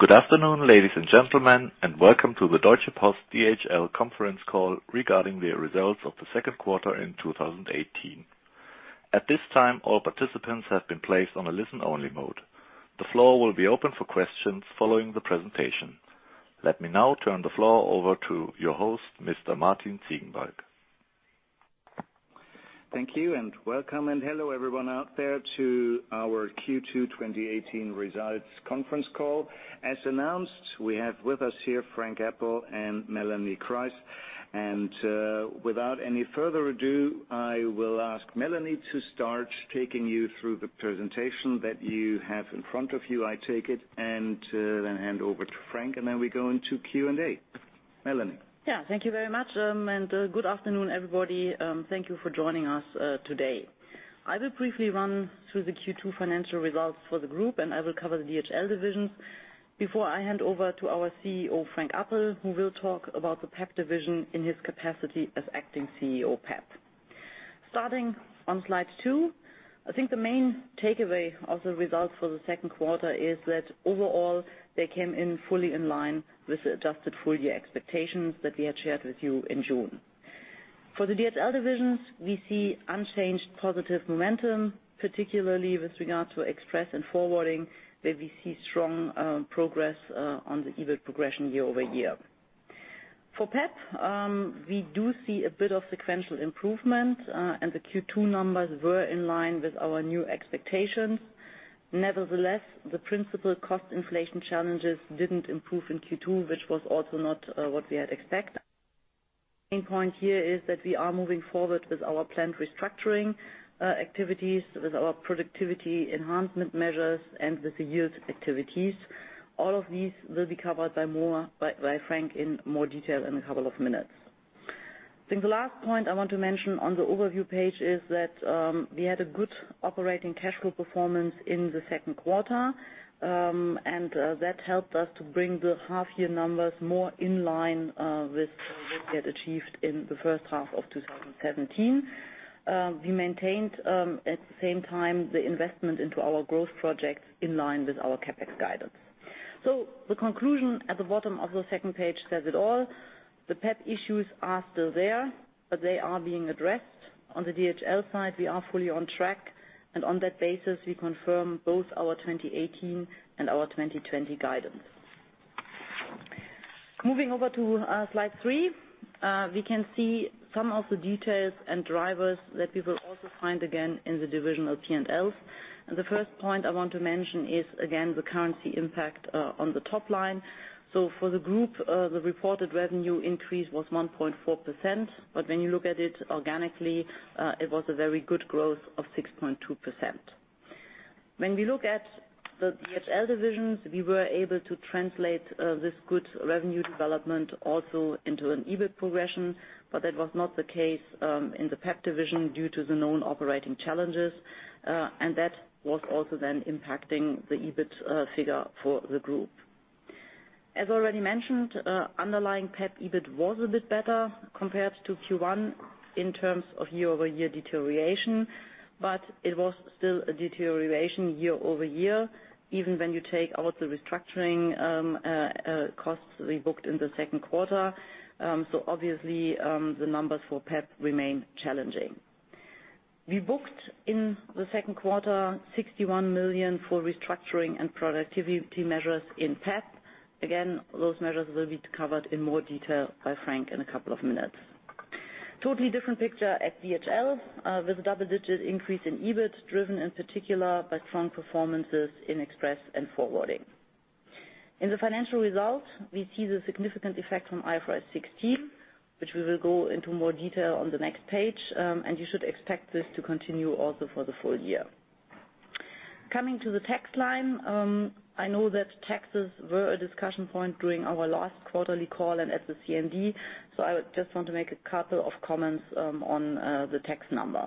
Good afternoon, ladies and gentlemen, and welcome to the Deutsche Post DHL conference call regarding their results of the second quarter in 2018. At this time, all participants have been placed on a listen-only mode. The floor will be open for questions following the presentation. Let me now turn the floor over to your host, Mr. Martin Ziegenbalg. Thank you, and welcome, and hello everyone out there to our Q2 2018 results conference call. As announced, we have with us here Frank Appel and Melanie Kreis. Without any further ado, I will ask Melanie to start taking you through the presentation that you have in front of you, I take it, then hand over to Frank, then we go into Q&A. Melanie? Thank you very much, good afternoon, everybody. Thank you for joining us today. I will briefly run through the Q2 financial results for the group, and I will cover the DHL divisions before I hand over to our CEO, Frank Appel, who will talk about the PeP division in his capacity as acting CEO, PeP. Starting on slide two, I think the main takeaway of the results for the second quarter is that overall, they came in fully in line with the adjusted full year expectations that we had shared with you in June. For the DHL divisions, we see unchanged positive momentum, particularly with regard to Express and Forwarding, where we see strong progress on the EBIT progression year-over-year. For PeP, we do see a bit of sequential improvement, the Q2 numbers were in line with our new expectations. Nevertheless, the principal cost inflation challenges didn't improve in Q2, which was also not what we had expected. Main point here is that we are moving forward with our planned restructuring activities, with our productivity enhancement measures, and with the yield activities. All of these will be covered by Frank in more detail in a couple of minutes. I think the last point I want to mention on the overview page is that, we had a good operating cash flow performance in the second quarter, and that helped us to bring the half year numbers more in line with what we had achieved in the first half of 2017. We maintained, at the same time, the investment into our growth projects in line with our CapEx guidance. The conclusion at the bottom of the second page says it all. The PeP issues are still there, but they are being addressed. On the DHL side, we are fully on track, and on that basis, we confirm both our 2018 and our 2020 guidance. Moving over to slide three, we can see some of the details and drivers that we will also find again in the divisional P&Ls. The first point I want to mention is, again, the currency impact on the top line. For the group, the reported revenue increase was 1.4%, but when you look at it organically, it was a very good growth of 6.2%. When we look at the DHL divisions, we were able to translate this good revenue development also into an EBIT progression, but that was not the case in the PeP division due to the known operating challenges. That was also then impacting the EBIT figure for the group. As already mentioned, underlying PeP EBIT was a bit better compared to Q1 in terms of year-over-year deterioration, but it was still a deterioration year-over-year, even when you take out the restructuring costs we booked in the second quarter. Obviously, the numbers for PeP remain challenging. We booked, in the second quarter, 61 million for restructuring and productivity measures in PeP. Again, those measures will be covered in more detail by Frank in a couple of minutes. Totally different picture at DHL, with a double-digit increase in EBIT, driven in particular by strong performances in Express and Forwarding. In the financial results, we see the significant effect from IFRS 16, which we will go into more detail on the next page. You should expect this to continue also for the full year. Coming to the tax line. I know that taxes were a discussion point during our last quarterly call and at the CMD, I just want to make a couple of comments on the tax number.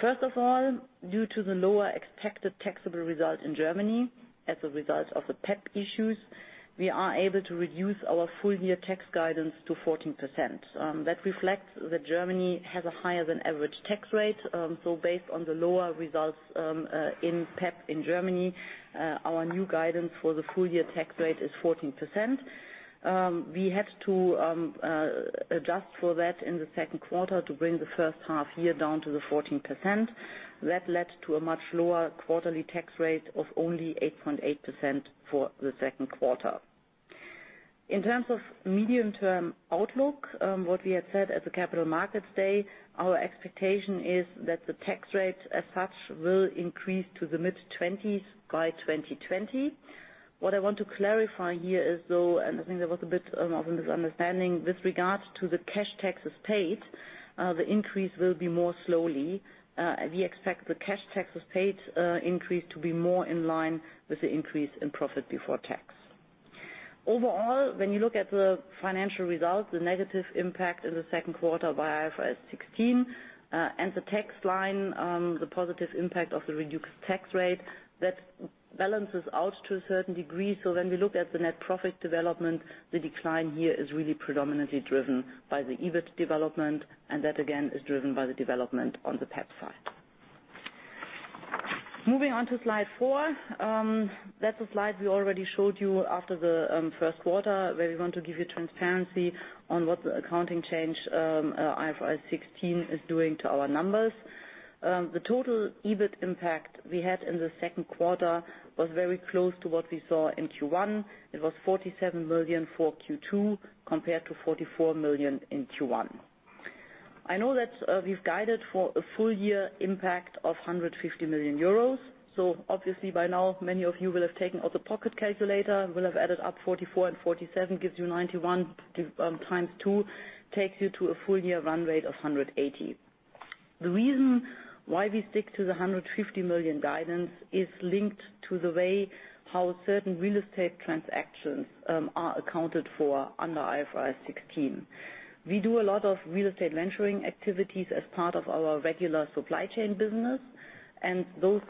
First of all, due to the lower expected taxable result in Germany as a result of the PeP issues, we are able to reduce our full-year tax guidance to 14%. That reflects that Germany has a higher than average tax rate. Based on the lower results in PeP in Germany, our new guidance for the full-year tax rate is 14%. We had to adjust for that in the second quarter to bring the first half year down to the 14%. That led to a much lower quarterly tax rate of only 8.8% for the second quarter. In terms of medium-term outlook, what we had said at the Capital Markets Day, our expectation is that the tax rate as such will increase to the mid-20s by 2020. I want to clarify here is, though, and I think there was a bit of a misunderstanding with regards to the cash taxes paid, the increase will be more slowly. We expect the cash taxes paid increase to be more in line with the increase in profit before tax. Overall, when you look at the financial results, the negative impact in the second quarter by IFRS 16, and the tax line, the positive impact of the reduced tax rate, that balances out to a certain degree. When we look at the net profit development, the decline here is really predominantly driven by the EBIT development, and that, again, is driven by the development on the PeP side. Moving on to slide four. That's a slide we already showed you after the first quarter, where we want to give you transparency on what the accounting change IFRS 16 is doing to our numbers. The total EBIT impact we had in the second quarter was very close to what we saw in Q1. It was 47 million for Q2 compared to 44 million in Q1. I know that we've guided for a full year impact of 150 million euros. Obviously by now, many of you will have taken out the pocket calculator, will have added up 44 and 47, gives you 91, times two, takes you to a full year run rate of 180. The reason why we stick to the 150 million guidance is linked to the way how certain real estate transactions are accounted for under IFRS 16. We do a lot of real estate venturing activities as part of our regular Supply Chain business. Those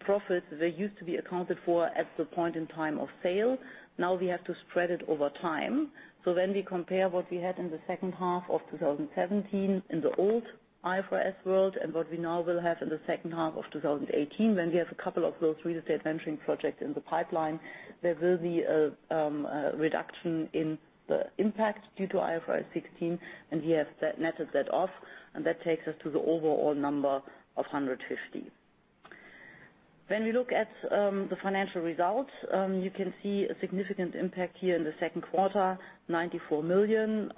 profits, they used to be accounted for at the point in time of sale. Now we have to spread it over time. When we compare what we had in the second half of 2017 in the old IFRS world and what we now will have in the second half of 2018, when we have a couple of those real estate venturing projects in the pipeline, there will be a reduction in the impact due to IFRS 16, and we have netted that off, and that takes us to the overall number of 150. When we look at the financial results, you can see a significant impact here in the second quarter, 94 million.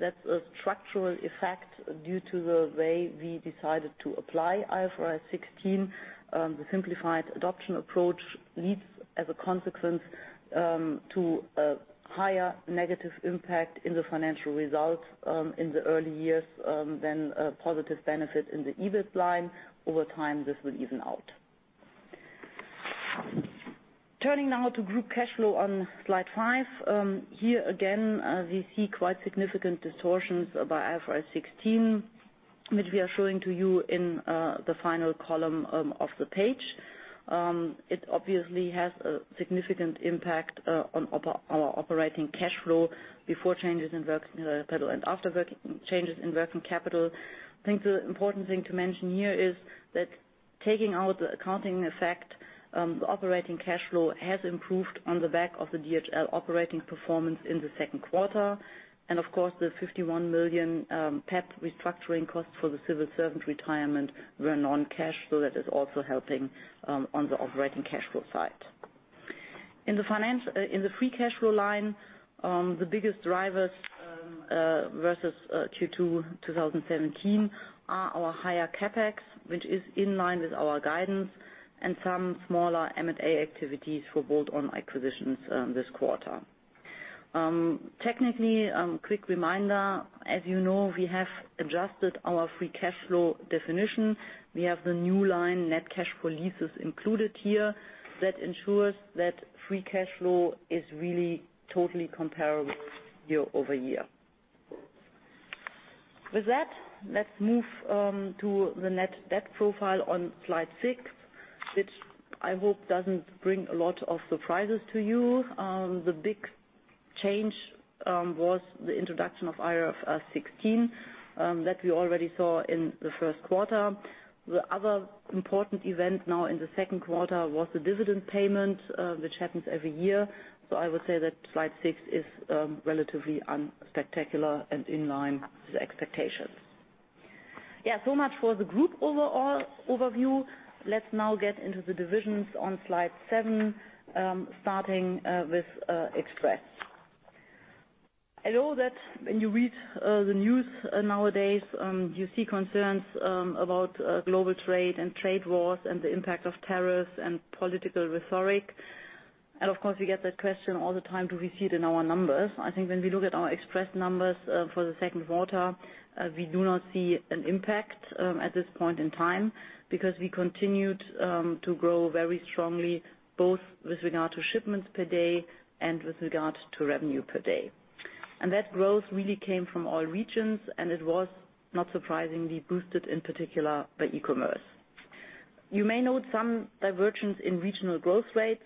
That's a structural effect due to the way we decided to apply IFRS 16. The simplified adoption approach leads, as a consequence, to a higher negative impact in the financial results in the early years than a positive benefit in the EBIT line. Over time, this will even out. Turning now to group cash flow on slide five. Here again, we see quite significant distortions by IFRS 16, which we are showing to you in the final column of the page. It obviously has a significant impact on our operating cash flow before changes in working capital and after changes in working capital. I think the important thing to mention here is that taking out the accounting effect, the operating cash flow has improved on the back of the DHL operating performance in the second quarter. Of course, the 51 million PeP restructuring cost for the civil servant retirement were non-cash, so that is also helping on the operating cash flow side. In the free cash flow line, the biggest drivers versus Q2 2017 are our higher CapEx, which is in line with our guidance and some smaller M&A activities for bolt-on acquisitions this quarter. Technically, quick reminder, as you know, we have adjusted our free cash flow definition. We have the new line, net cash for leases included here. That ensures that free cash flow is really totally comparable year-over-year. With that, let's move to the net debt profile on slide six, which I hope doesn't bring a lot of surprises to you. The big change was the introduction of IFRS 16 that we already saw in the first quarter. The other important event now in the second quarter was the dividend payment, which happens every year. I would say that slide six is relatively unspectacular and in line with the expectations. Much for the group overview. Let's now get into the divisions on slide seven, starting with Express. I know that when you read the news nowadays, you see concerns about global trade and trade wars and the impact of tariffs and political rhetoric. Of course, we get that question all the time, do we see it in our numbers? I think when we look at our Express numbers for the second quarter, we do not see an impact at this point in time because we continued to grow very strongly, both with regard to shipments per day and with regard to revenue per day. That growth really came from all regions, and it was, not surprisingly, boosted in particular by e-commerce. You may note some divergence in regional growth rates.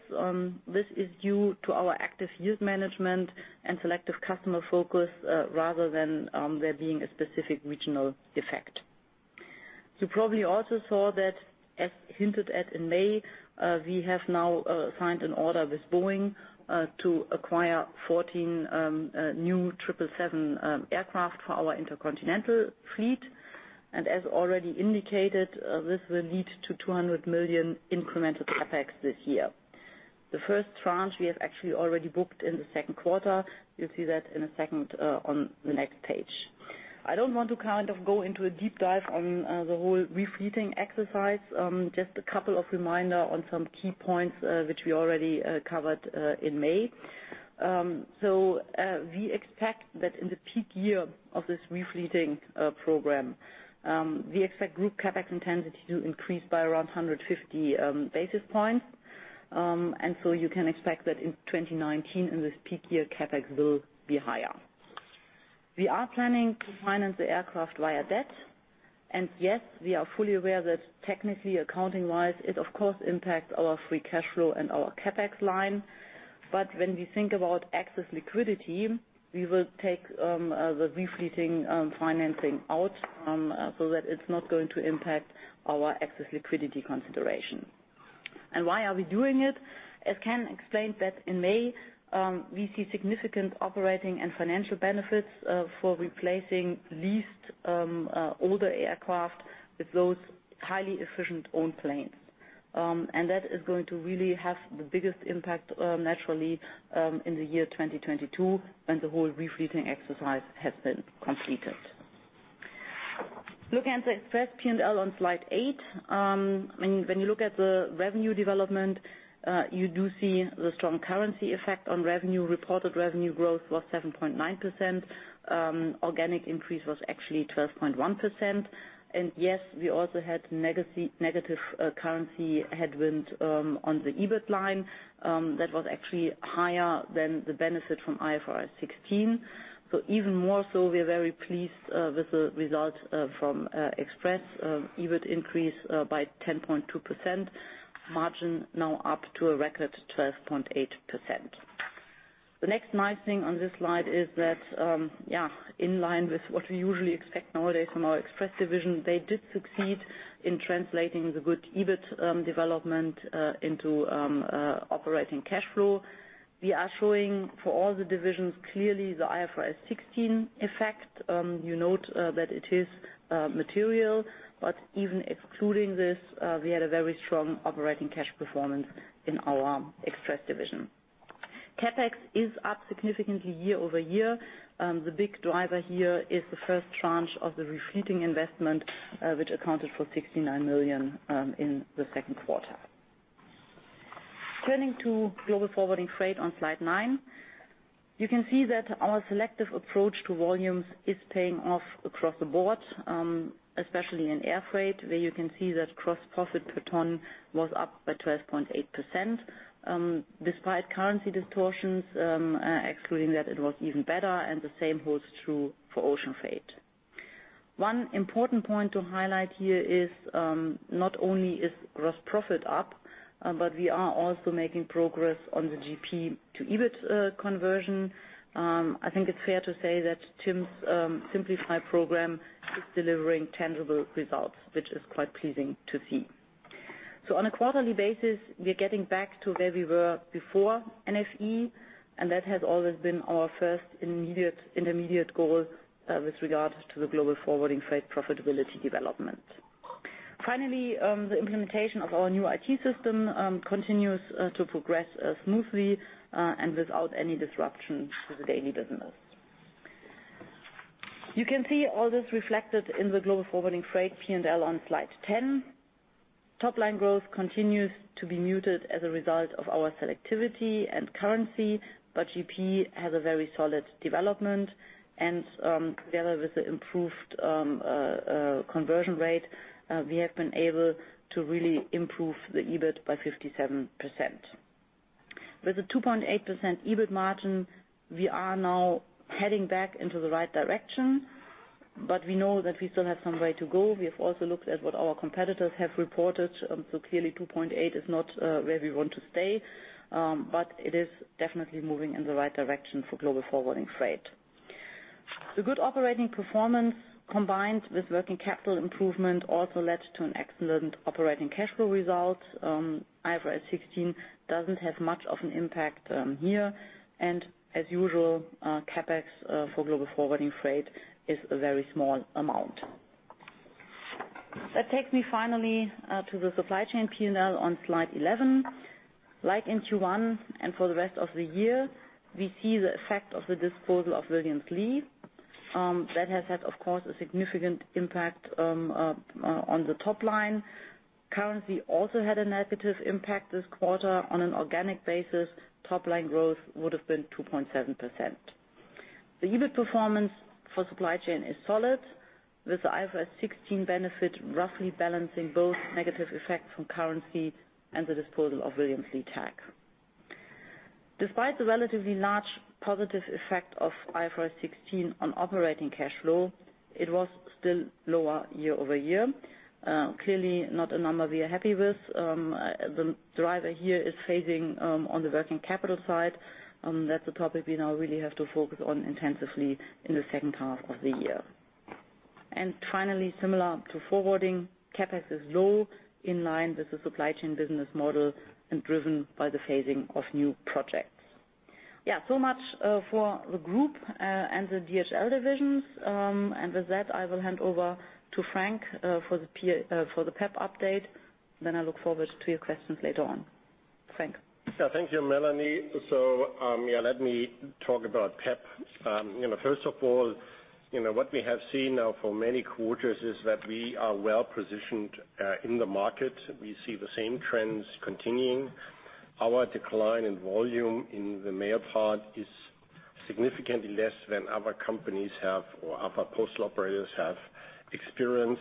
This is due to our active yield management and selective customer focus rather than there being a specific regional effect. You probably also saw that, as hinted at in May, we have now signed an order with Boeing to acquire 14 new 777 aircraft for our intercontinental fleet. As already indicated, this will lead to 200 million incremental CapEx this year. The first tranche, we have actually already booked in the second quarter. You'll see that in a second on the next page. I don't want to go into a deep dive on the whole refleeting exercise. Just a couple of reminder on some key points, which we already covered in May. We expect that in the peak year of this refleeting program, we expect group CapEx intensity to increase by around 150 basis points. You can expect that in 2019, in this peak year, CapEx will be higher. We are planning to finance the aircraft via debt. Yes, we are fully aware that technically, accounting-wise, it of course impacts our free cash flow and our CapEx line. When we think about excess liquidity, we will take the refleeting financing out, so that it's not going to impact our excess liquidity consideration. Why are we doing it? As Ken explained that in May, we see significant operating and financial benefits for replacing leased older aircraft with those highly efficient owned planes. That is going to really have the biggest impact, naturally, in the year 2022, when the whole refleeting exercise has been completed. Looking at the Express P&L on slide 8. When you look at the revenue development, you do see the strong currency effect on revenue. Reported revenue growth was 7.9%, organic increase was actually 12.1%. Yes, we also had negative currency headwind on the EBIT line that was actually higher than the benefit from IFRS 16. Even more so, we are very pleased with the result from Express EBIT increase by 10.2%, margin now up to a record 12.8%. The next nice thing on this slide is that, in line with what we usually expect nowadays from our Express division, they did succeed in translating the good EBIT development into operating cash flow. We are showing for all the divisions, clearly the IFRS 16 effect. You note that it is material, but even excluding this, we had a very strong operating cash performance in our Express division. CapEx is up significantly year-over-year. The big driver here is the first tranche of the refleeting investment, which accounted for 69 million in the second quarter. Turning to DHL Global Forwarding, Freight on slide 9. You can see that our selective approach to volumes is paying off across the board, especially in air freight, where you can see that gross profit per ton was up by 12.8%. Despite currency distortions, excluding that it was even better, and the same holds true for ocean freight. One important point to highlight here is, not only is gross profit up, but we are also making progress on the GP to EBIT conversion. I think it's fair to say that Tim's Simplify program is delivering tangible results, which is quite pleasing to see. On a quarterly basis, we are getting back to where we were before NFE, and that has always been our first intermediate goal with regard to the Global Forwarding Freight profitability development. Finally, the implementation of our new IT system continues to progress smoothly and without any disruption to the daily business. You can see all this reflected in the Global Forwarding Freight P&L on slide 10. Topline growth continues to be muted as a result of our selectivity and currency, GP has a very solid development. Together with the improved conversion rate, we have been able to really improve the EBIT by 57%. With a 2.8% EBIT margin, we are now heading back into the right direction. We know that we still have some way to go. We have also looked at what our competitors have reported. Clearly 2.8 is not where we want to stay. It is definitely moving in the right direction for Global Forwarding Freight. The good operating performance, combined with working capital improvement, also led to an excellent operating cash flow result. IFRS 16 doesn't have much of an impact here. As usual, CapEx for Global Forwarding Freight is a very small amount. That takes me finally to the Supply Chain P&L on slide 11. Like in Q1 and for the rest of the year, we see the effect of the disposal of Williams Lea. That has had, of course, a significant impact on the top line. Currency also had a negative impact this quarter. On an organic basis, top-line growth would have been 2.7%. The EBIT performance for Supply Chain is solid, with IFRS 16 benefit roughly balancing both negative effects from currency and the disposal of Williams Lea Tag. Despite the relatively large positive effect of IFRS 16 on operating cash flow, it was still lower year-over-year. Clearly not a number we are happy with. The driver here is phasing on the working capital side. That's a topic we now really have to focus on intensively in the second half of the year. Finally, similar to forwarding, CapEx is low, in line with the Supply Chain business model and driven by the phasing of new projects. So much for the group, and the DHL divisions. With that, I will hand over to Frank for the PeP update. I look forward to your questions later on. Frank? Thank you, Melanie. Let me talk about PeP. First of all, what we have seen now for many quarters is that we are well-positioned in the market. We see the same trends continuing. Our decline in volume in the mail part is significantly less than other companies have, or other postal operators have experienced.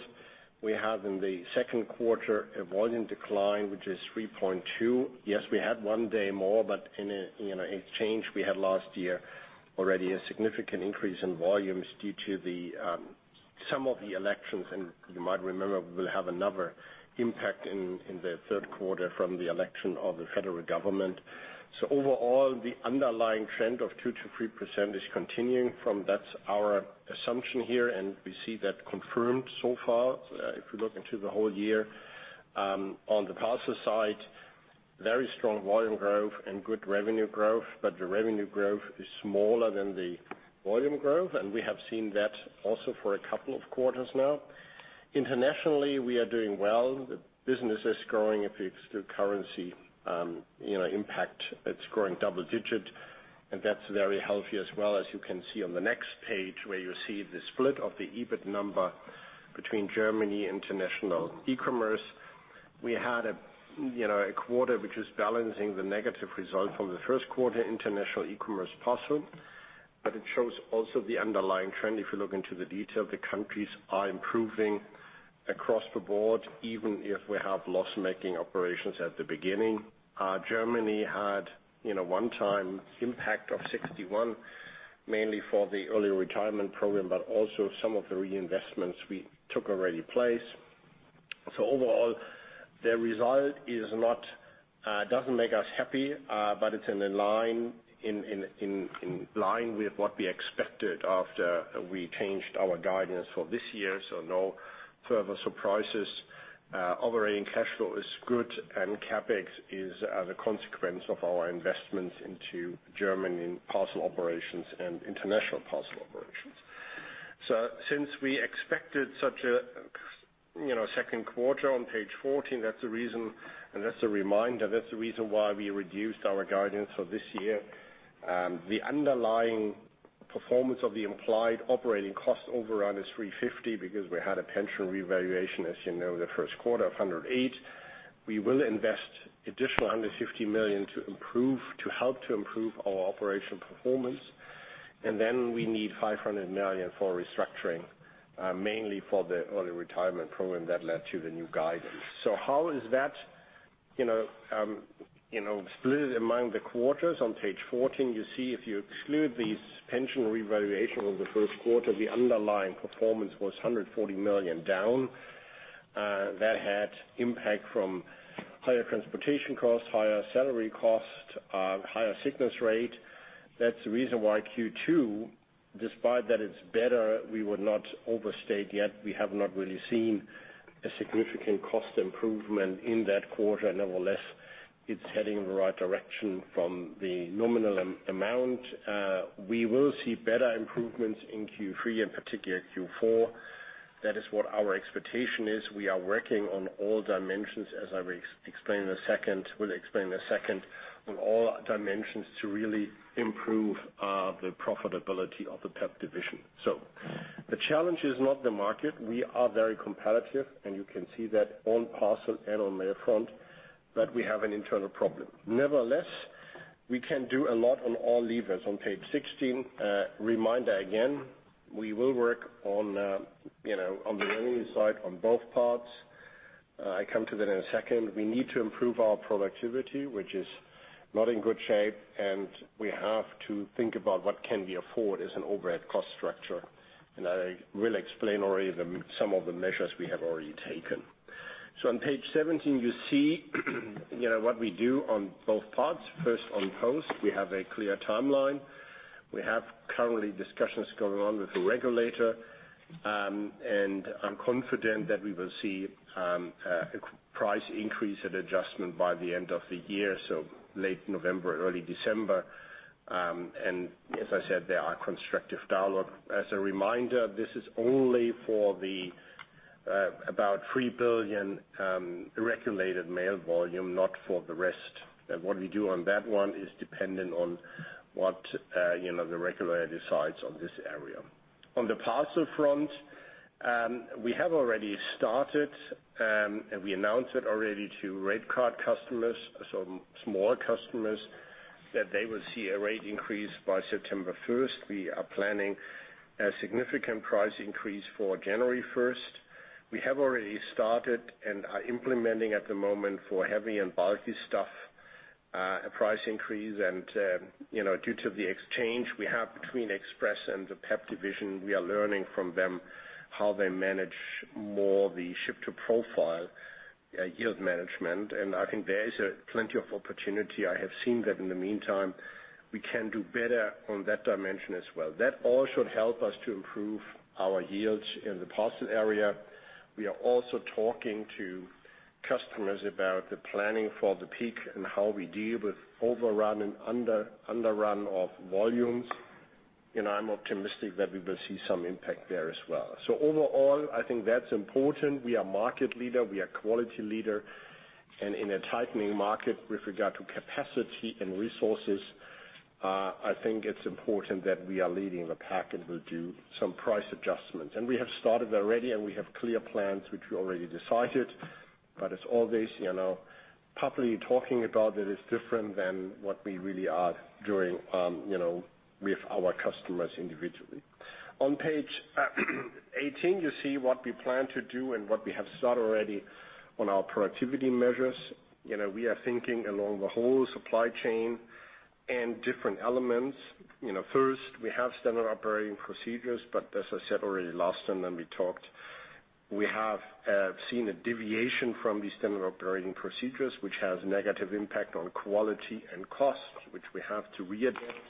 We have, in the second quarter, a volume decline, which is 3.2%. Yes, we had one day more, but in exchange, we had last year already a significant increase in volumes due to the elections, and you might remember, we will have another impact in the third quarter from the election of the federal government. Overall, the underlying trend of 2%-3% is continuing from. That's our assumption here, and we see that confirmed so far, if you look into the whole year. On the parcel side, very strong volume growth and good revenue growth, but the revenue growth is smaller than the volume growth, and we have seen that also for a couple of quarters now. Internationally, we are doing well. The business is growing. If you exclude currency impact, it's growing double digit, and that's very healthy as well. As you can see on the next page, where you see the split of the EBIT number between Germany, international, e-commerce. We had a quarter which is balancing the negative result from the first quarter international e-commerce parcel. It shows also the underlying trend, if you look into the detail. The countries are improving across the board, even if we have loss-making operations at the beginning. Germany had one-time impact of 61, mainly for the early retirement program, but also some of the reinvestments we took already place. Overall, the result doesn't make us happy, but it's in line with what we expected after we changed our guidance for this year. No further surprises. Operating cash flow is good, and CapEx is the consequence of our investments into Germany in parcel operations and international parcel operations. Since we expected such a second quarter, on page 14, that's the reason, and that's a reminder. That's the reason why we reduced our guidance for this year. The underlying performance of the implied operating cost overrun is 350, because we had a pension revaluation, as you know, the first quarter of 108. We will invest additional 150 million to help to improve our operational performance. We need 500 million for restructuring, mainly for the early retirement program that led to the new guidance. How is that split among the quarters? On page 14, you see if you exclude these pension revaluation over the first quarter, the underlying performance was 140 million down. That had impact from higher transportation costs, higher salary costs, higher sickness rate. That's the reason why Q2, despite that it's better, we would not overstate yet. We have not really seen a significant cost improvement in that quarter. Nevertheless, it's heading in the right direction from the nominal amount. We will see better improvements in Q3 and particularly Q4. That is what our expectation is. We are working on all dimensions, as I will explain in a second, on all dimensions to really improve the profitability of the PeP division. The challenge is not the market. We are very competitive, and you can see that on parcel and on mail front, but we have an internal problem. Nevertheless, we can do a lot on all levers. On page 16, reminder again, we will work on the revenue side, on both parts. I come to that in a second. We need to improve our productivity, which is not in good shape, and we have to think about what can we afford as an overhead cost structure. I will explain some of the measures we have already taken. On page 17, you see what we do on both parts. First, on Post, we have a clear timeline. We have currently discussions going on with the regulator. I'm confident that we will see a price increase and adjustment by the end of the year, so late November, early December. As I said, there are constructive dialogue. As a reminder, this is only for the about 3 billion regulated mail volume, not for the rest. What we do on that one is dependent on what the regulator decides on this area. On the parcel front, we have already started, and we announced it already to rate card customers, so smaller customers, that they will see a rate increase by September 1st. We are planning a significant price increase for January 1st. We have already started and are implementing at the moment for heavy and bulky stuff, a price increase. Due to the exchange we have between Express and the PeP division, we are learning from them how they manage more the shipment profile yield management. I think there is plenty of opportunity. I have seen that in the meantime. We can do better on that dimension as well. That all should help us to improve our yields in the parcel area. We are also talking to customers about the planning for the peak and how we deal with overrun and underrun of volumes. I'm optimistic that we will see some impact there as well. Overall, I think that's important. We are market leader. We are quality leader. In a tightening market with regard to capacity and resources, I think it's important that we are leading the pack, and we'll do some price adjustments. We have started already, and we have clear plans, which we already decided. It's always properly talking about that is different than what we really are doing with our customers individually. On page 18, you see what we plan to do and what we have started already on our productivity measures. We are thinking along the whole supply chain. Different elements. First, we have standard operating procedures, as I said already last time when we talked, we have seen a deviation from the standard operating procedures, which has negative impact on quality and cost, which we have to readapt.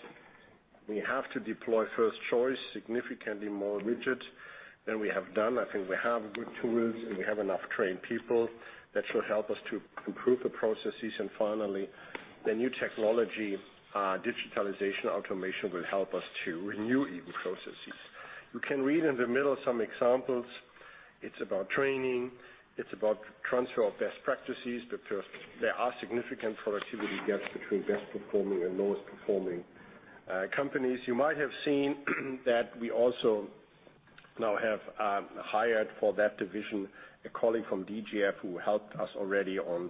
We have to deploy First Choice significantly more rigid than we have done. I think we have good tools and we have enough trained people that should help us to improve the processes. Finally, the new technology, digitalization, automation will help us to renew even processes. You can read in the middle some examples. It's about training, it's about transfer of best practices because there are significant productivity gaps between best performing and lowest performing companies. You might have seen that we also now have hired for that division, a colleague from DGF who helped us already on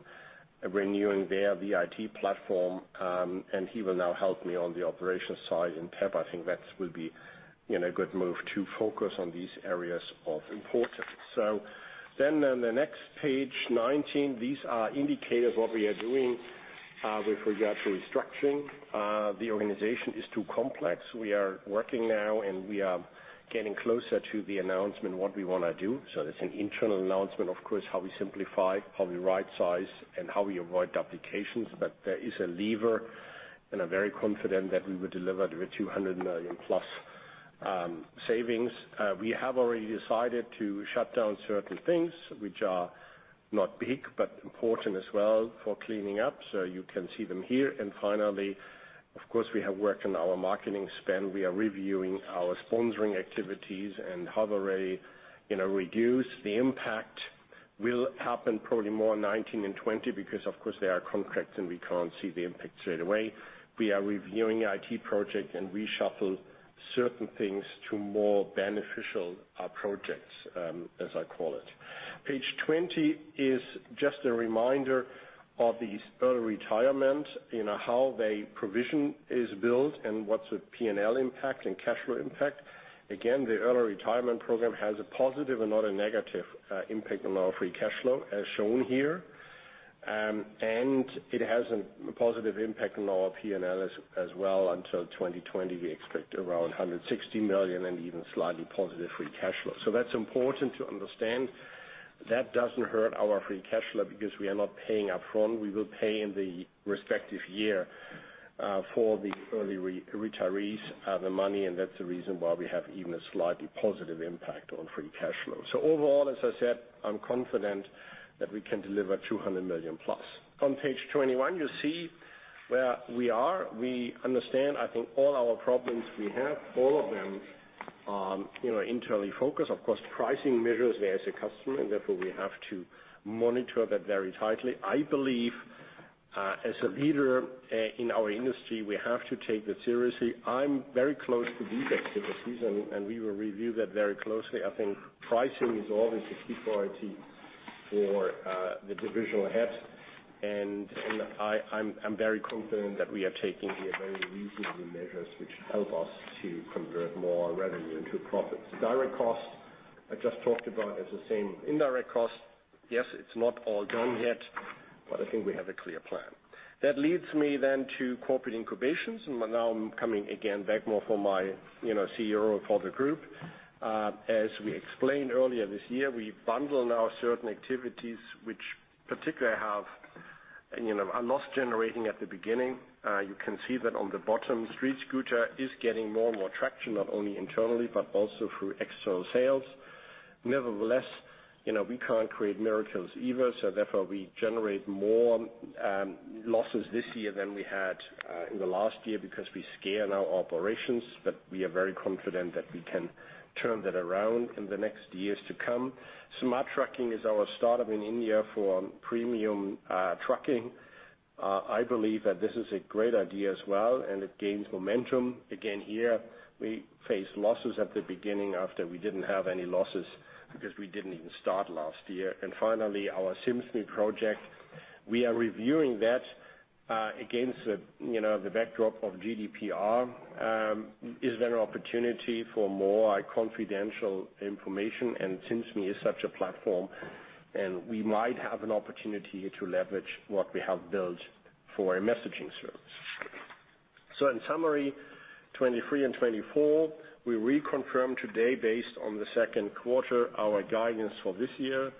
renewing their VIT platform, and he will now help me on the operations side in PeP. I think that will be a good move to focus on these areas of importance. On the next page 19, these are indicators what we are doing with regard to restructuring. The organization is too complex. We are working now, and we are getting closer to the announcement what we want to do. That's an internal announcement, of course, how we simplify, how we right-size, and how we avoid duplications. There is a lever, and I'm very confident that we will deliver the 200 million-plus savings. We have already decided to shut down certain things which are not big, but important as well for cleaning up. You can see them here. Finally, of course, we have worked on our marketing spend. We are reviewing our sponsoring activities and have already reduced. The impact will happen probably more in 2019 and 2020 because of course there are contracts, and we can't see the impact straight away. We are reviewing IT project and reshuffle certain things to more beneficial projects, as I call it. Page 20 is just a reminder of these early retirement, how their provision is built and what's the P&L impact and cash flow impact. Again, the early retirement program has a positive and not a negative impact on our free cash flow, as shown here. It has a positive impact on our P&L as well until 2020. We expect around 160 million and even slightly positive free cash flow. That's important to understand. That doesn't hurt our free cash flow because we are not paying upfront. We will pay in the respective year, for the early retirees, the money, and that's the reason why we have even a slightly positive impact on free cash flow. Overall, as I said, I'm confident that we can deliver 200 million-plus. On page 21, you see where we are. We understand, I think, all our problems we have, all of them are internally focused. Of course, pricing measures. There is a customer, and therefore we have to monitor that very tightly. I believe, as a leader in our industry, we have to take that seriously. I'm very close to these activities, and we will review that very closely. I think pricing is always a key priority for the divisional heads. I'm very confident that we are taking here very reasonable measures which help us to convert more revenue into profits. Direct costs, I just talked about is the same. Indirect costs, yes, it's not all done yet, but I think we have a clear plan. That leads me to corporate incubations. Now I'm coming again back more for my CEO for the group. As we explained earlier this year, we bundle now certain activities which particularly are loss-generating at the beginning. You can see that on the bottom. StreetScooter is getting more and more traction, not only internally but also through external sales. Nevertheless, we can't create miracles either. Therefore, we generate more losses this year than we had in the last year because we scale now operations. We are very confident that we can turn that around in the next years to come. SmarTrucking is our startup in India for premium trucking. I believe that this is a great idea as well, and it gains momentum. Again, here we face losses at the beginning after we didn't have any losses because we didn't even start last year. Finally, our SIMSme project. We are reviewing that against the backdrop of GDPR. Is there an opportunity for more confidential information? SIMSme is such a platform, and we might have an opportunity to leverage what we have built for a messaging service. In summary, 2023 and 2024, we reconfirm today based on the second quarter our guidance for this year.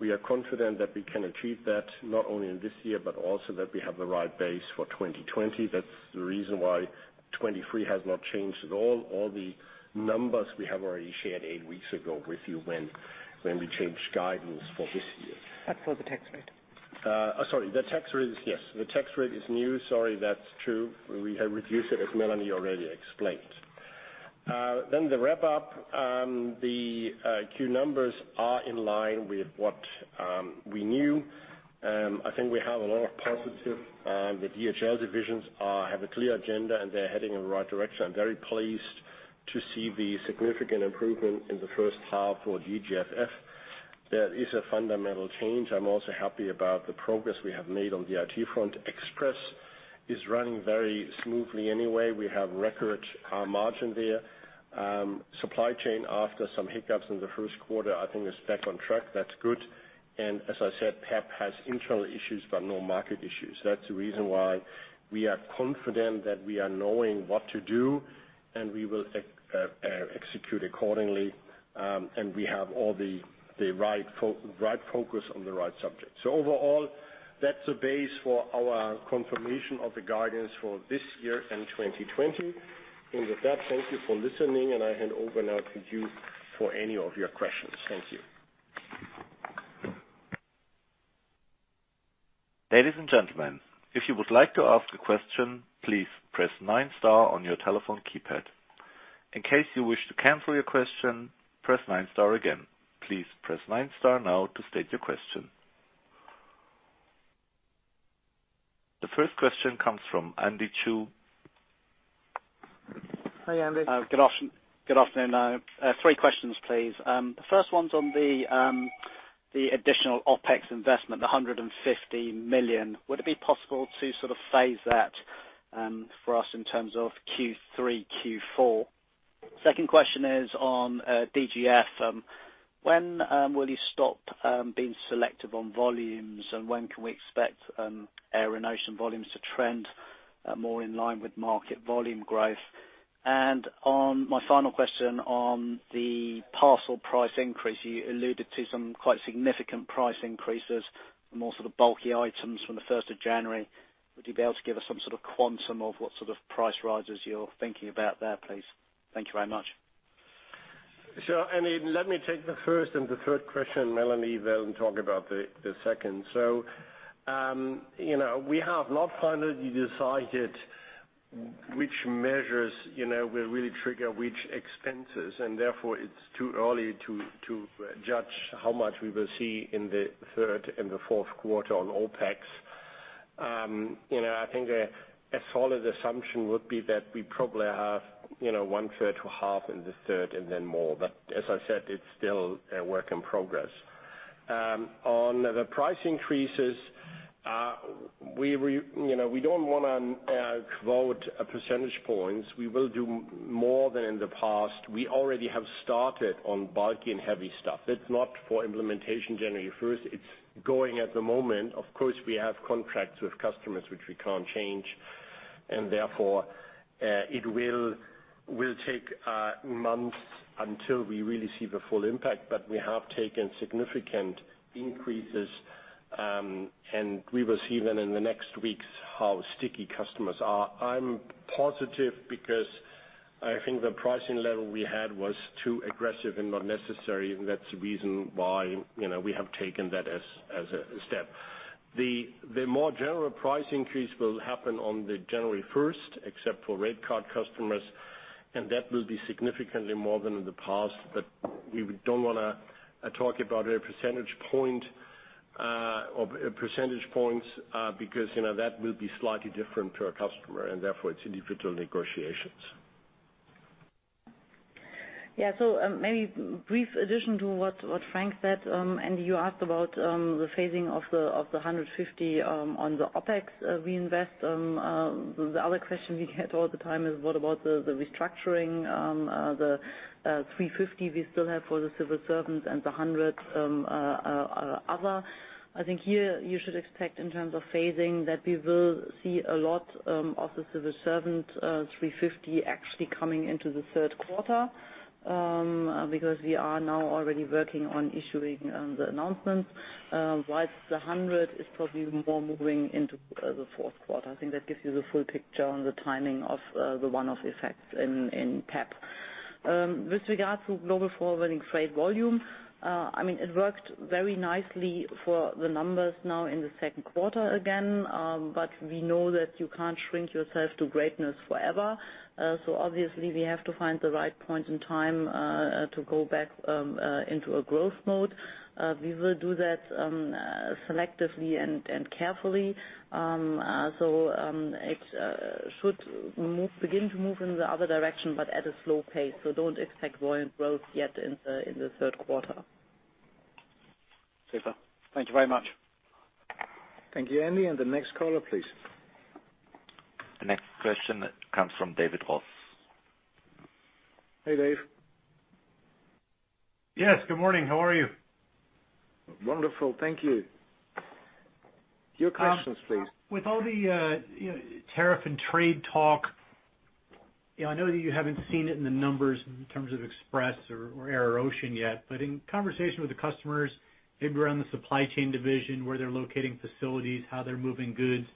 We are confident that we can achieve that not only in this year, but also that we have the right base for 2020. That's the reason why 2023 has not changed at all. All the numbers we have already shared 8 weeks ago with you when we changed guidance for this year. That's for the tax rate. Sorry. The tax rate is new. Sorry. That's true. We have reduced it, as Melanie already explained. The wrap up. The Q numbers are in line with what we knew. I think we have a lot of positive. The DHL divisions have a clear agenda, and they're heading in the right direction. I'm very pleased to see the significant improvement in the first half for DGFF. That is a fundamental change. I'm also happy about the progress we have made on the IT front. Express is running very smoothly anyway. We have record margin there. Supply Chain, after some hiccups in the first quarter, I think is back on track. That's good. As I said, PeP has internal issues but no market issues. That's the reason why we are confident that we are knowing what to do, and we will execute accordingly. We have all the right focus on the right subject. Overall, that's the base for our confirmation of the guidance for this year and 2020. With that, thank you for listening, and I hand over now to you for any of your questions. Thank you. Ladies and gentlemen, if you would like to ask a question, please press nine star on your telephone keypad. In case you wish to cancel your question, press nine star again. Please press nine star now to state your question. The first question comes from Andy Chu. Hi, Andy. Hi. Good afternoon. Three questions, please. The first one's on the additional OpEx investment, the 150 million. Would it be possible to sort of phase that for us in terms of Q3, Q4? Second question is on DGF. When will you stop being selective on volumes, and when can we expect Air & Ocean volumes to trend more in line with market volume growth? On my final question on the parcel price increase, you alluded to some quite significant price increases on more sort of bulky items from the 1st of January. Would you be able to give us some sort of quantum of what sort of price rises you're thinking about there, please? Thank you very much. Sure, Andy, let me take the first and the third question. Melanie will talk about the second. We have not finally decided which measures will really trigger which expenses, and therefore it's too early to judge how much we will see in the third and the fourth quarter on OpEx. I think a solid assumption would be that we probably have one third to half in the third and then more. As I said, it's still a work in progress. On the price increases, we don't want to quote percentage points. We will do more than in the past. We already have started on bulky and heavy stuff. That's not for implementation January 1st. It's going at the moment. Of course, we have contracts with customers which we can't change, and therefore, it will take months until we really see the full impact. We have taken significant increases, and we will see then in the next weeks how sticky customers are. I'm positive because I think the pricing level we had was too aggressive and not necessary, and that's the reason why we have taken that as a step. The more general price increase will happen on January 1st, except for rate card customers, and that will be significantly more than in the past. We don't want to talk about a percentage point, or percentage points, because that will be slightly different per customer, and therefore, it's individual negotiations. Maybe brief addition to what Frank said. Andy, you asked about the phasing of the 150 on the OpEx reinvest. The other question we get all the time is what about the restructuring, the 350 we still have for the civil servant and the 100 other? I think here you should expect in terms of phasing that we will see a lot of the civil servant, 350 actually coming into the third quarter. We are now already working on issuing the announcements. Whilst the 100 is probably more moving into the fourth quarter. I think that gives you the full picture on the timing of the one-off effects in PeP. With regard to Global Forwarding, Freight volume, it worked very nicely for the numbers now in the second quarter again. We know that you can't shrink yourself to greatness forever. Obviously we have to find the right point in time to go back into a growth mode. We will do that selectively and carefully. It should begin to move in the other direction, but at a slow pace. Don't expect volume growth yet in the third quarter. Super. Thank you very much. Thank you, Andy. The next caller, please. The next question comes from David Ross. Hey, Dave. Yes. Good morning. How are you? Wonderful. Thank you. Your questions, please. With all the tariff and trade talk, I know that you haven't seen it in the numbers in terms of Express or Air Ocean yet, but in conversation with the customers, maybe around the Supply Chain division, where they're locating facilities, how they're moving goods,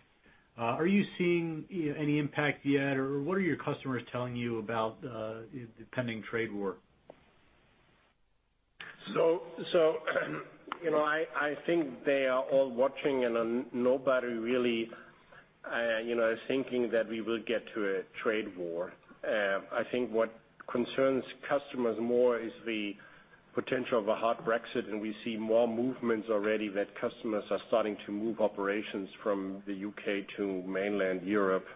are you seeing any impact yet? What are your customers telling you about the pending trade war? I think they are all watching and nobody really is thinking that we will get to a trade war. I think what concerns customers more is the potential of a hard Brexit, and we see more movements already that customers are starting to move operations from the U.K. to mainland Europe.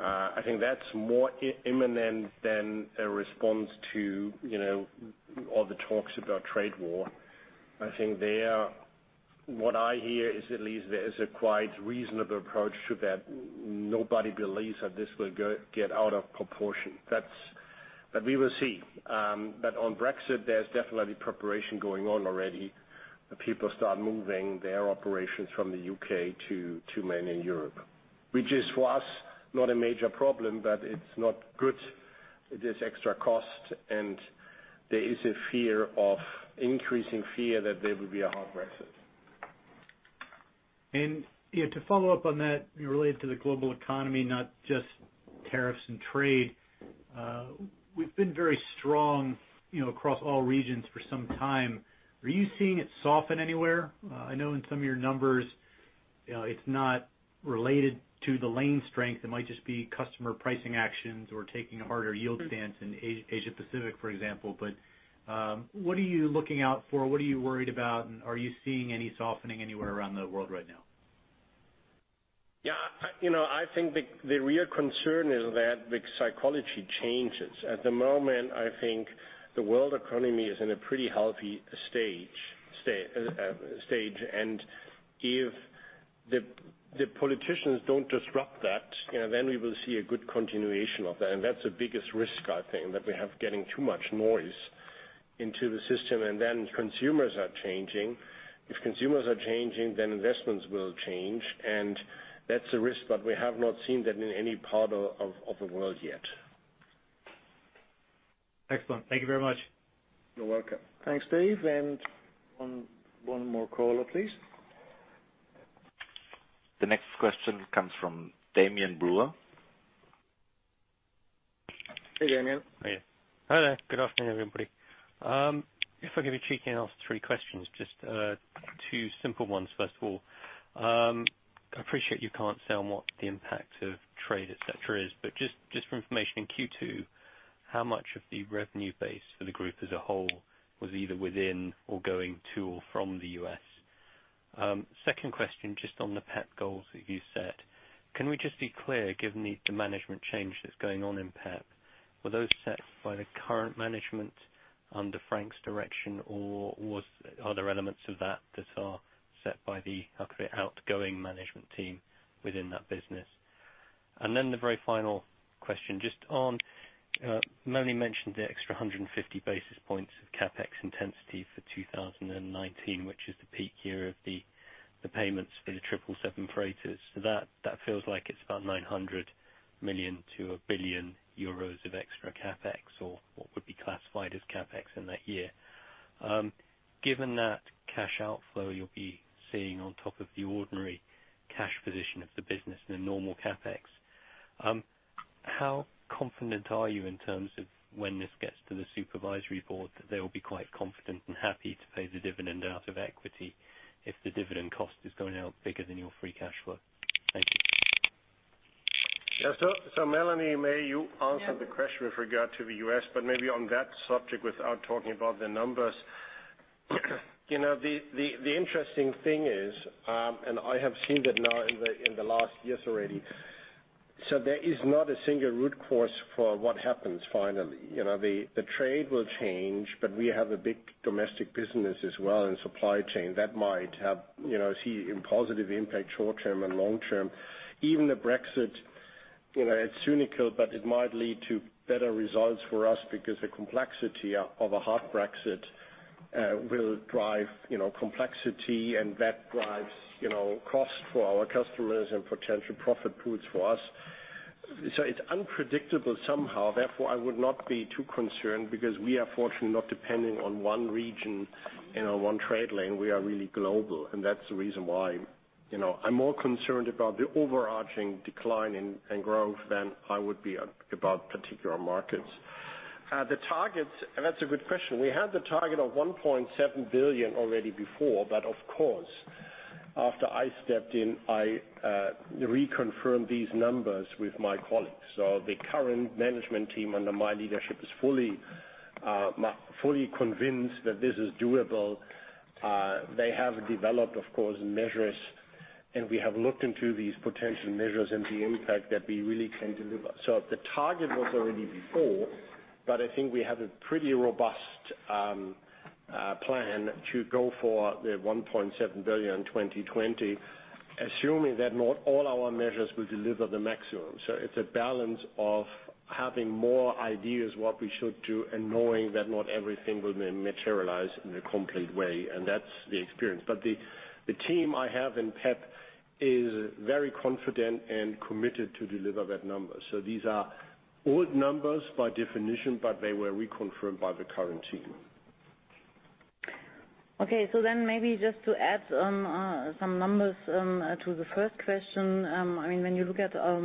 I think that's more imminent than a response to all the talks about trade war. I think what I hear is at least there is a quite reasonable approach to that. Nobody believes that this will get out of proportion. We will see. On Brexit, there's definitely preparation going on already. People start moving their operations from the U.K. to mainland Europe, which is for us, not a major problem, but it's not good. There's extra cost and there is a fear of increasing fear that there will be a hard Brexit. To follow up on that, related to the global economy, not just tariffs and trade. We've been very strong across all regions for some time. Are you seeing it soften anywhere? I know in some of your numbers, it's not related to the lane strength. It might just be customer pricing actions or taking a harder yield stance in Asia-Pacific, for example. What are you looking out for? What are you worried about? Are you seeing any softening anywhere around the world right now? I think the real concern is that the psychology changes. At the moment, I think the world economy is in a pretty healthy stage. If the politicians don't disrupt that, then we will see a good continuation of that. That's the biggest risk, I think, that we have getting too much noise into the system, and then consumers are changing. If consumers are changing, then investments will change. That's a risk that we have not seen that in any part of the world yet. Excellent. Thank you very much. You're welcome. Thanks, Dave. One more caller, please. The next question comes from Damian Brewer. Hey, Damian. Hey. Hello. Good afternoon, everybody. If I can be cheeky and ask three questions, just two simple ones, first of all. I appreciate you can't say on what the impact of trade, et cetera, is. Just for information in Q2, how much of the revenue base for the group as a whole was either within or going to or from the U.S.? Second question, just on the PeP goals that you set. Can we just be clear, given the management change that's going on in PeP, were those set by the current management under Frank's direction, or are there elements of that that are set by the outgoing management team within that business? The very final question, just on Melanie mentioned the extra 150 basis points of CapEx intensity for 2019, which is the peak year of the payments for the 777 freighters. That feels like it's about 900 million to 1 billion euros of extra CapEx or what would be classified as CapEx in that year. Given that cash outflow you'll be seeing on top of the ordinary cash position of the business and the normal CapEx, how confident are you in terms of when this gets to the supervisory board that they will be quite confident and happy to pay the dividend out of equity if the dividend cost is going out bigger than your free cash flow? Thank you. Melanie, may you answer the question with regard to the U.S., but maybe on that subject without talking about the numbers. The interesting thing is, and I have seen that now in the last years already. There is not a single root cause for what happens finally. The trade will change, but we have a big domestic business as well in supply chain that might have see a positive impact short-term and long-term. Even the Brexit, it's cynical, but it might lead to better results for us because the complexity of a hard Brexit will drive complexity and that drives cost for our customers and potential profit pools for us. It's unpredictable somehow. Therefore, I would not be too concerned because we are fortunately not depending on one region, one trade lane. We are really global, and that's the reason why I'm more concerned about the overarching decline in growth than I would be about particular markets. The targets, that's a good question. We had the target of 1.7 billion already before, but of course, after I stepped in, I reconfirmed these numbers with my colleagues. The current management team under my leadership is fully convinced that this is doable. They have developed, of course, measures, and we have looked into these potential measures and the impact that we really can deliver. The target was already before, but I think we have a pretty robust plan to go for the 1.7 billion in 2020, assuming that not all our measures will deliver the maximum. It's a balance of having more ideas what we should do and knowing that not everything will materialize in a complete way, and that's the experience. The team I have in PeP is very confident and committed to deliver that number. These are old numbers by definition, but they were reconfirmed by the current team. Maybe just to add some numbers to the first question. When you look at our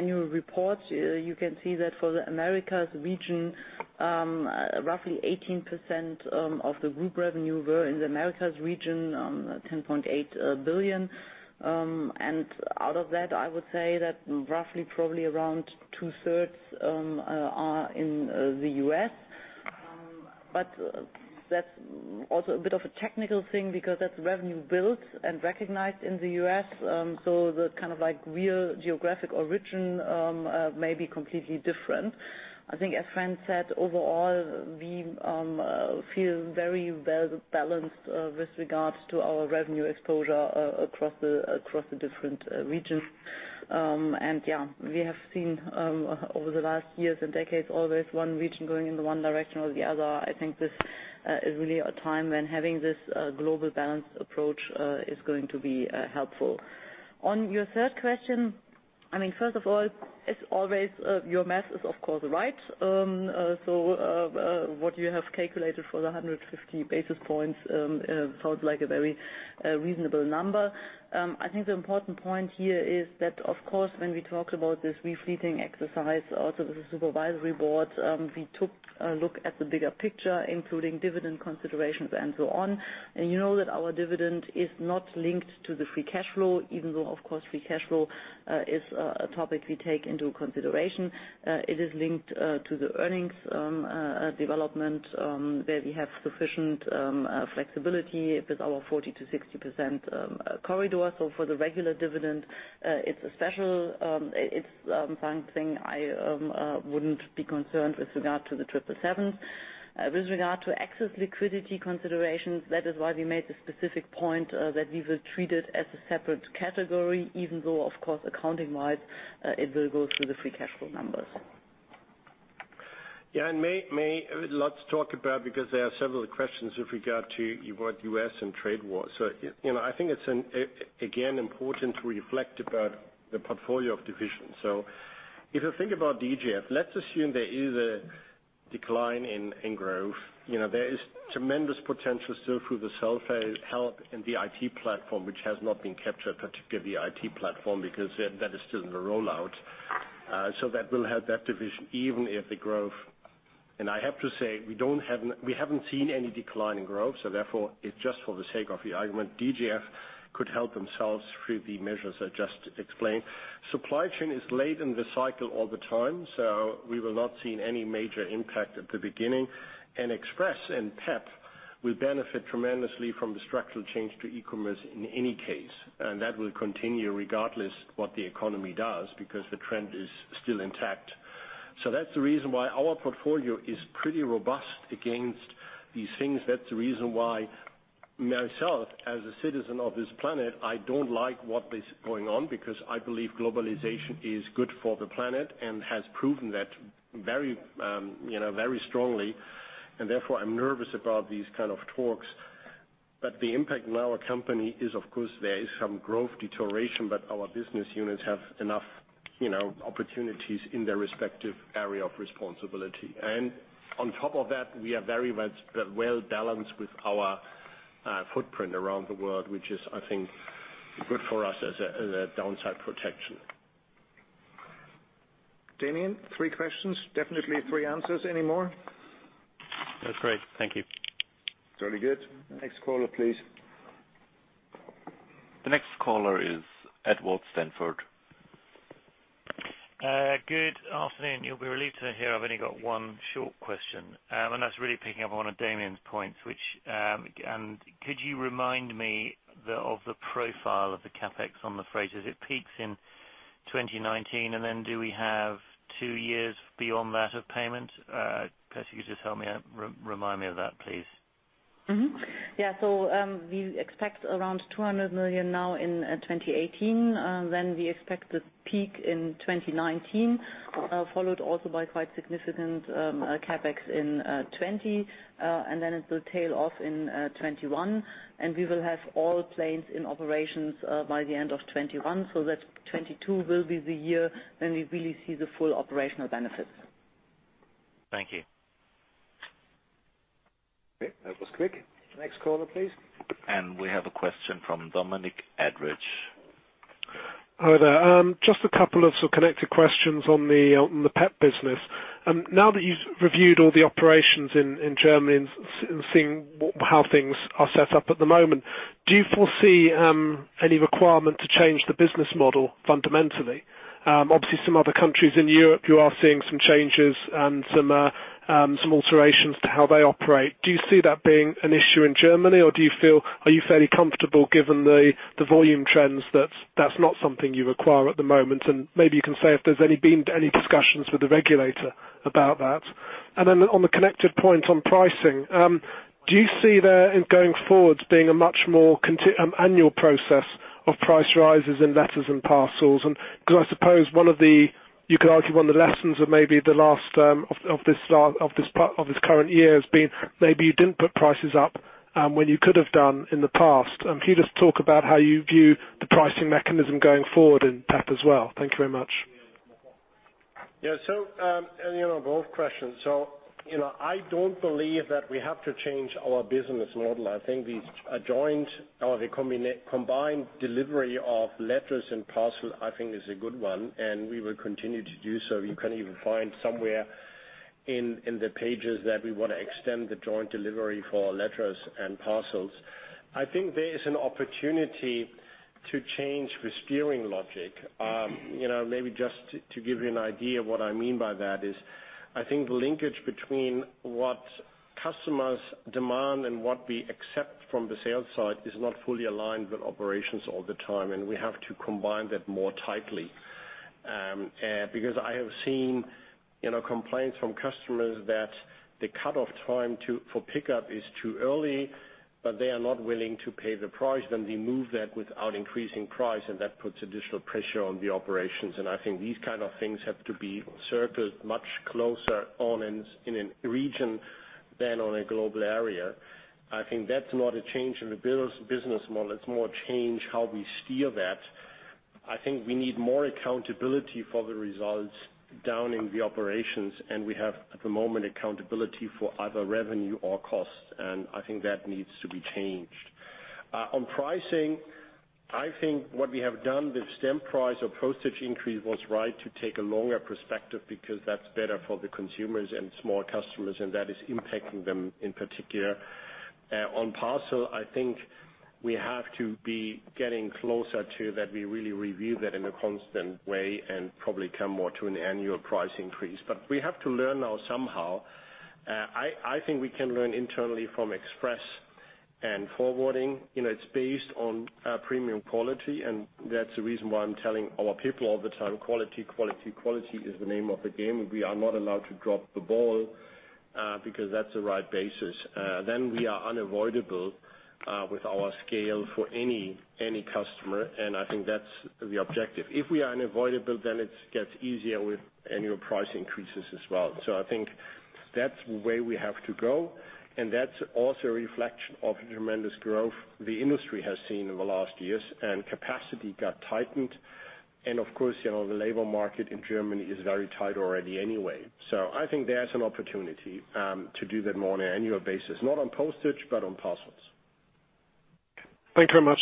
annual report, you can see that for the Americas region, roughly 18% of the group revenue were in the Americas region, 10.8 billion. Out of that, I would say that roughly probably around two-thirds are in the U.S. That's also a bit of a technical thing because that's revenue built and recognized in the U.S., so the real geographic origin may be completely different. I think as Frank said, overall, we feel very well-balanced with regards to our revenue exposure across the different regions. We have seen over the last years and decades, always one region going in the one direction or the other. I think this is really a time when having this global balanced approach is going to be helpful. On your third question, first of all, as always, your math is, of course, right. What you have calculated for the 150 basis points sounds like a very reasonable number. I think the important point here is that, of course, when we talk about this refleeting exercise, also the supervisory board, we took a look at the bigger picture, including dividend considerations and so on. You know that our dividend is not linked to the free cash flow, even though, of course, free cash flow is a topic we take into consideration. It is linked to the earnings development, where we have sufficient flexibility with our 40%-60% corridor. For the regular dividend, it's something I wouldn't be concerned with regard to the Boeing 777. With regard to excess liquidity considerations, that is why we made the specific point that we will treat it as a separate category, even though, of course, accounting-wise, it will go through the free cash flow numbers. Let's talk about, because there are several questions with regard to what U.S. and trade war. I think it's, again, important to reflect about the portfolio of divisions. If you think about DGF, let's assume there is a decline in growth. There is tremendous potential still through the self-help and the IT platform, which has not been captured, particularly the IT platform, because that is still in the rollout. That will help that division even if the growth. I have to say, we haven't seen any decline in growth, therefore, it's just for the sake of the argument, DGF could help themselves through the measures I just explained. Supply Chain is late in the cycle all the time, we will not see any major impact at the beginning. Express and PeP will benefit tremendously from the structural change to e-commerce in any case. That will continue regardless what the economy does, because the trend is still intact. That's the reason why our portfolio is pretty robust against these things. That's the reason why myself, as a citizen of this planet, I don't like what is going on, because I believe globalization is good for the planet and has proven that very strongly. Therefore, I'm nervous about these kind of talks. The impact in our company is, of course, there is some growth deterioration, but our business units have enough opportunities in their respective area of responsibility. On top of that, we are very well-balanced with our footprint around the world, which is, I think, good for us as a downside protection. Damian, three questions, definitely three answers. Any more? That's great. Thank you. Very good. Next caller, please. The next caller is Edward Stanford. Good afternoon. You'll be relieved to hear I've only got one short question. That's really picking up on one of Damian's points, which, could you remind me of the profile of the CapEx on the freighters? It peaks in 2019, then do we have two years beyond that of payment? Perhaps you could just remind me of that, please. We expect around 200 million now in 2018. Then we expect the peak in 2019, followed also by quite significant CapEx in 2020. Then it will tail off in 2021. We will have all planes in operations by the end of 2021. That 2022 will be the year when we really see the full operational benefits. Thank you. Okay. That was quick. Next caller, please. We have a question from Dominic Etheridge. Hi there. Just a couple of connected questions on the PeP business. Now that you've reviewed all the operations in Germany and seen how things are set up at the moment, do you foresee any requirement to change the business model fundamentally? Obviously, some other countries in Europe, you are seeing some changes and some alterations to how they operate. Do you see that being an issue in Germany, or do you feel, are you fairly comfortable given the volume trends that that's not something you require at the moment? Maybe you can say if there's been any discussions with the regulator about that. Then on the connected point on pricing, do you see there, in going forward, being a much more annual process of price rises in letters and parcels? Because I suppose one of the, you could argue, one of the lessons of this current year has been maybe you didn't put prices up when you could have done in the past. Could you just talk about how you view the pricing mechanism going forward in PeP as well? Thank you very much. Yeah. You have both questions. I don't believe that we have to change our business model. I think these adjoined or the combined delivery of letters and parcels, I think, is a good one, and we will continue to do so. You can even find somewhere in the pages that we want to extend the joint delivery for letters and parcels. I think there is an opportunity to change the steering logic. Maybe just to give you an idea of what I mean by that is, I think the linkage between what customers demand and what we accept from the sales side is not fully aligned with operations all the time, and we have to combine that more tightly. Because I have seen complaints from customers that the cutoff time for pickup is too early, but they are not willing to pay the price. We move that without increasing price, and that puts additional pressure on the operations. I think these kind of things have to be circled much closer in a region than on a global area. I think that's not a change in the business model. It's more a change how we steer that. I think we need more accountability for the results down in the operations, and we have, at the moment, accountability for either revenue or cost. I think that needs to be changed. On pricing, I think what we have done with stamp price or postage increase was right to take a longer perspective, because that's better for the consumers and small customers, and that is impacting them in particular. On parcel, I think we have to be getting closer to that. We really review that in a constant way and probably come more to an annual price increase. We have to learn now somehow. I think we can learn internally from Express and Global Forwarding. It's based on premium quality, and that's the reason why I'm telling our people all the time, quality, quality is the name of the game. We are not allowed to drop the ball, because that's the right basis. We are unavoidable with our scale for any customer and I think that's the objective. If we are unavoidable, then it gets easier with annual price increases as well. I think that's the way we have to go, and that's also a reflection of the tremendous growth the industry has seen in the last years. Capacity got tightened. Of course, the labor market in Germany is very tight already anyway. I think there's an opportunity to do that more on an annual basis. Not on postage, but on parcels. Thank you very much.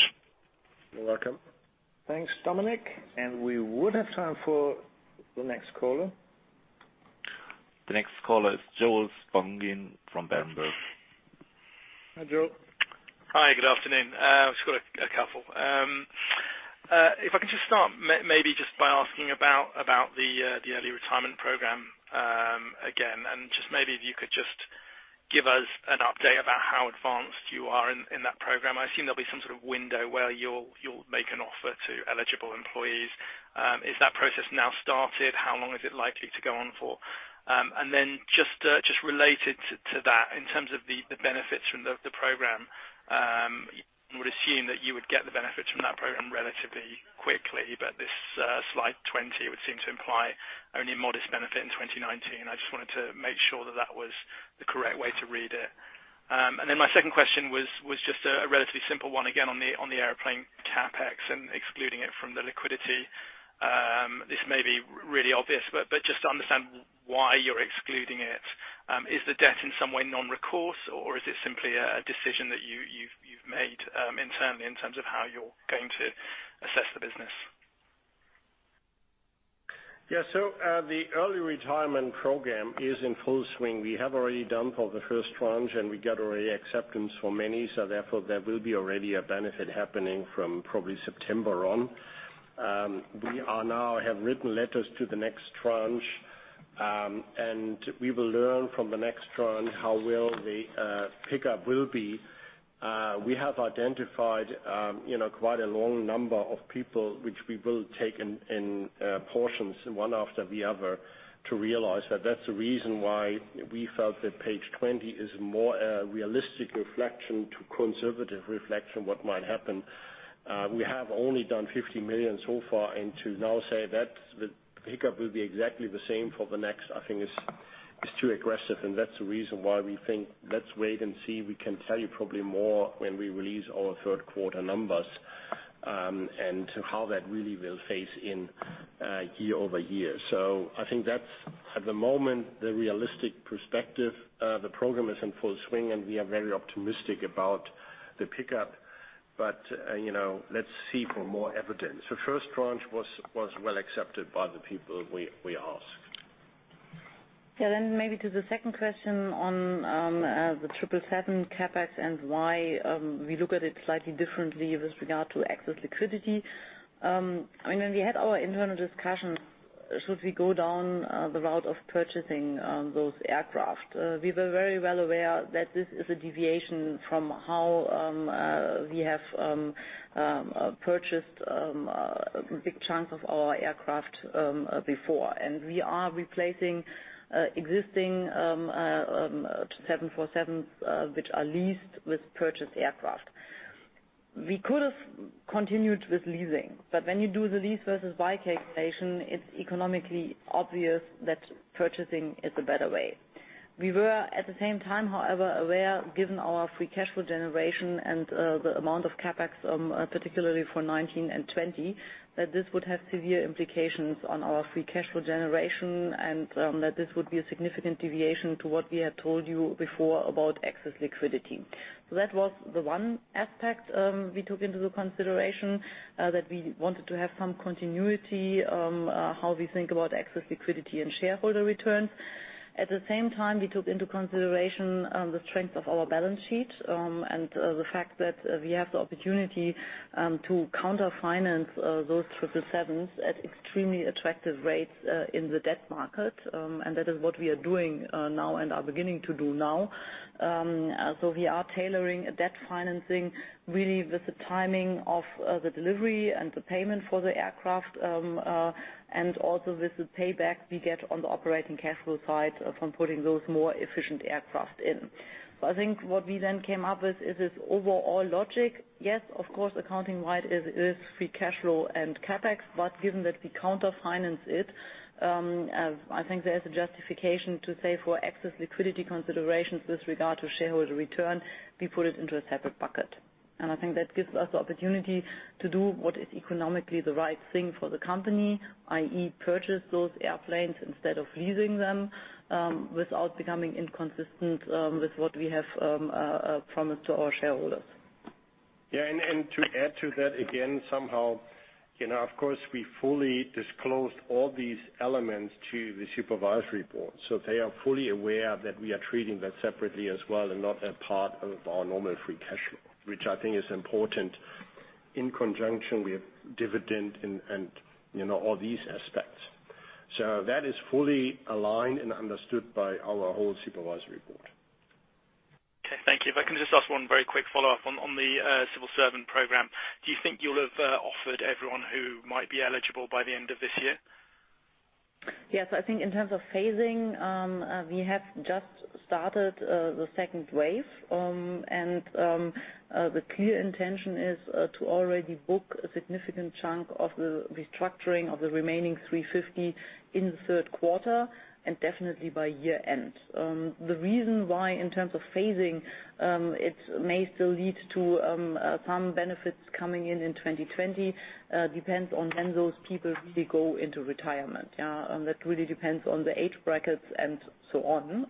You're welcome. Thanks, Dominic. We would have time for the next caller. The next caller is Joel Spungin from Berenberg. Hi, Joel. Hi, good afternoon. I've just got a couple. If I can just start maybe just by asking about the early retirement program again. Just maybe if you could just give us an update about how advanced you are in that program. I assume there'll be some sort of window where you'll make an offer to eligible employees. Is that process now started? How long is it likely to go on for? Just related to that, in terms of the benefits from the program, I would assume that you would get the benefits from that program relatively quickly. This slide 20 would seem to imply only a modest benefit in 2019. I just wanted to make sure that that was the correct way to read it. My second question was just a relatively simple one, again, on the airplane CapEx and excluding it from the liquidity. This may be really obvious, just to understand why you're excluding it. Is the debt in some way non-recourse, or is it simply a decision that you've made internally in terms of how you're going to assess the business? The early retirement program is in full swing. We have already done for the first tranche, and we got already acceptance for many. There will be already a benefit happening from probably September on. We now have written letters to the next tranche. We will learn from the next tranche how well the pickup will be. We have identified quite a long number of people, which we will take in portions, one after the other, to realize that that's the reason why we felt that page 20 is a more realistic reflection to conservative reflection what might happen. We have only done 50 million so far, to now say that the pickup will be exactly the same for the next, I think is too aggressive. That's the reason why we think let's wait and see. We can tell you probably more when we release our third quarter numbers and how that really will face in year-over-year. I think that's, at the moment, the realistic perspective. The program is in full swing, and we are very optimistic about the pickup. Let's see for more evidence. The first tranche was well accepted by the people we asked. Maybe to the second question on the Boeing 777 CapEx and why we look at it slightly differently with regard to excess liquidity. When we had our internal discussion, should we go down the route of purchasing those aircraft? We were very well aware that this is a deviation from how we have purchased a big chunk of our aircraft before. We are replacing existing Boeing 747s, which are leased with purchased aircraft. We could have continued with leasing, when you do the lease versus buy calculation, it's economically obvious that purchasing is the better way. We were, at the same time, however, aware, given our free cash flow generation and the amount of CapEx, particularly for 2019 and 2020, that this would have severe implications on our free cash flow generation and that this would be a significant deviation to what we had told you before about excess liquidity. That was the one aspect we took into the consideration, that we wanted to have some continuity, how we think about excess liquidity and shareholder returns. At the same time, we took into consideration the strength of our balance sheet and the fact that we have the opportunity to counter finance those Boeing 777s at extremely attractive rates in the debt market. That is what we are doing now and are beginning to do now. We are tailoring debt financing really with the timing of the delivery and the payment for the aircraft, also with the payback we get on the operating cash flow side from putting those more efficient aircraft in. I think what we then came up with is this overall logic. Yes, of course, accounting-wide it is free cash flow and CapEx, given that we counter finance it, I think there is a justification to say for excess liquidity considerations with regard to shareholder return, we put it into a separate bucket. I think that gives us the opportunity to do what is economically the right thing for the company, i.e., purchase those airplanes instead of leasing them without becoming inconsistent with what we have promised to our shareholders. To add to that again, somehow, of course, we fully disclosed all these elements to the supervisory board. They are fully aware that we are treating that separately as well, not a part of our normal free cash flow, which I think is important in conjunction with dividend and all these aspects. That is fully aligned and understood by our whole supervisory board. Okay, thank you. If I can just ask one very quick follow-up on the civil servant program. Do you think you will have offered everyone who might be eligible by the end of this year? Yes. I think in terms of phasing, we have just started the second wave. The clear intention is to already book a significant chunk of the restructuring of the remaining 350 in the third quarter, and definitely by year-end. The reason why, in terms of phasing, it may still lead to some benefits coming in in 2020, depends on when those people will go into retirement. That really depends on the age brackets and so on.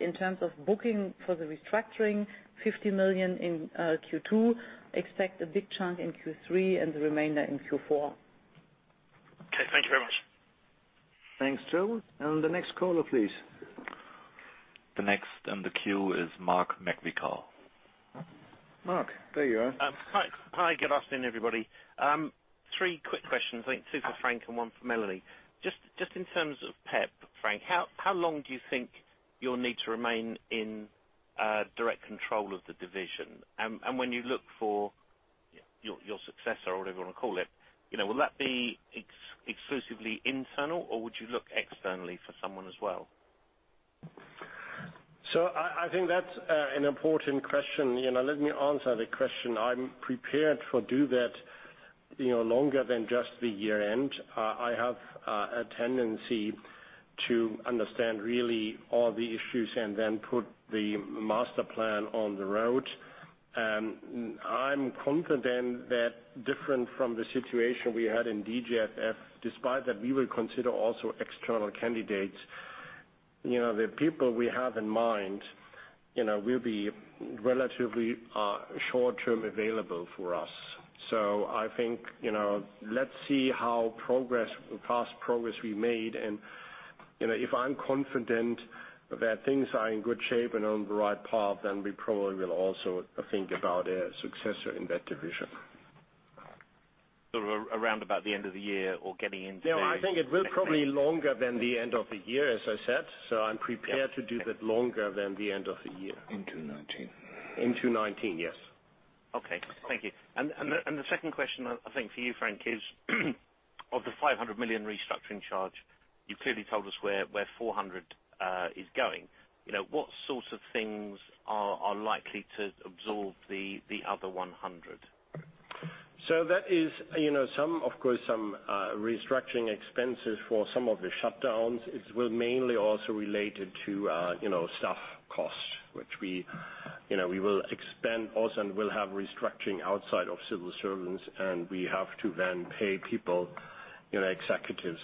In terms of booking for the restructuring, 50 million in Q2, expect a big chunk in Q3 and the remainder in Q4. Okay. Thank you very much. Thanks, Joel. The next caller, please. The next on the queue is Mark McVicar. Mark, there you are. Hi. Good afternoon, everybody. three quick questions. I think two for Frank and one for Melanie. Just in terms of PeP, Frank, how long do you think you'll need to remain in direct control of the division? And when you look for your successor or whatever you want to call it, will that be exclusively internal, or would you look externally for someone as well? I think that's an important question. Let me answer the question. I'm prepared for do that longer than just the year-end. I have a tendency to understand really all the issues and then put the master plan on the road. I'm confident that different from the situation we had in DGFF, despite that we will consider also external candidates. The people we have in mind will be relatively short-term available for us. I think, let's see how fast progress we made, and if I'm confident that things are in good shape and on the right path, then we probably will also think about a successor in that division. Around about the end of the year or getting into the next- No, I think it will probably longer than the end of the year, as I said. I'm prepared to do that longer than the end of the year. Into '19. Into '19, yes. Okay. Thank you. The second question I think for you, Frank, is of the 500 million restructuring charge, you've clearly told us where 400 is going. What sorts of things are likely to absorb the other 100? That is, of course, some restructuring expenses for some of the shutdowns. It will mainly also related to staff costs, which we will expand also, and we'll have restructuring outside of civil servants, and we have to then pay people, executives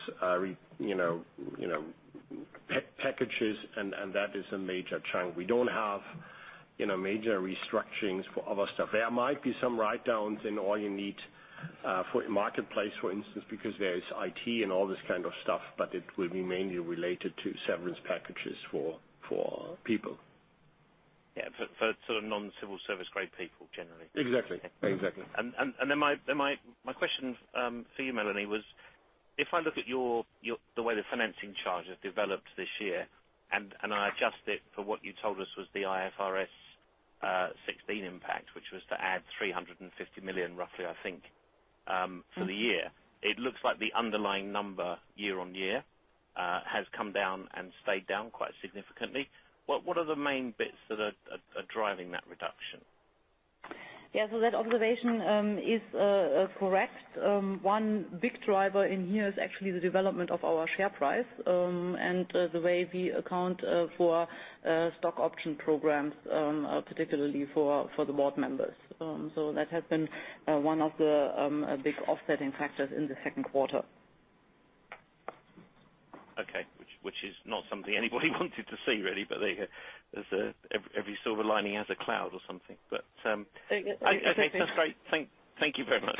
packages, and that is a major chunk. We don't have major restructurings for other staff. There might be some write-downs in Allyouneed for Marketplace, for instance, because there is IT and all this kind of stuff. It will be mainly related to severance packages for people. Yeah. For non-civil service grade people, generally. Exactly. Then my question for you, Melanie, was, if I look at the way the financing charge has developed this year, and I adjust it for what you told us was the IFRS 16 impact, which was to add 350 million, roughly, I think, for the year. It looks like the underlying number year-on-year has come down and stayed down quite significantly. What are the main bits that are driving that reduction? Yeah. That observation is correct. One big driver in here is actually the development of our share price and the way we account for stock option programs, particularly for the board members. That has been one of the big offsetting factors in the second quarter. Okay, which is not something anybody wanted to see, really, but every silver lining has a cloud or something. Exactly Okay. Sounds great. Thank you very much.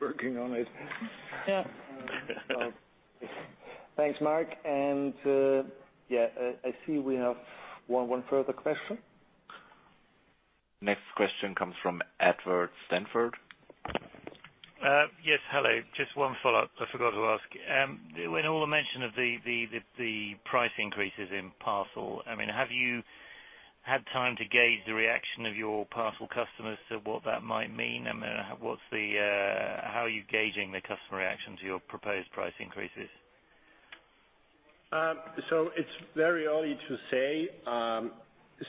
Working on it. Yeah. Thanks, Mark. I see we have one further question. Next question comes from Edward Stanford. Yes, hello. Just one follow-up I forgot to ask. In all the mention of the price increases in Parcel, have you had time to gauge the reaction of your Parcel customers to what that might mean? How are you gauging the customer reaction to your proposed price increases? It's very early to say.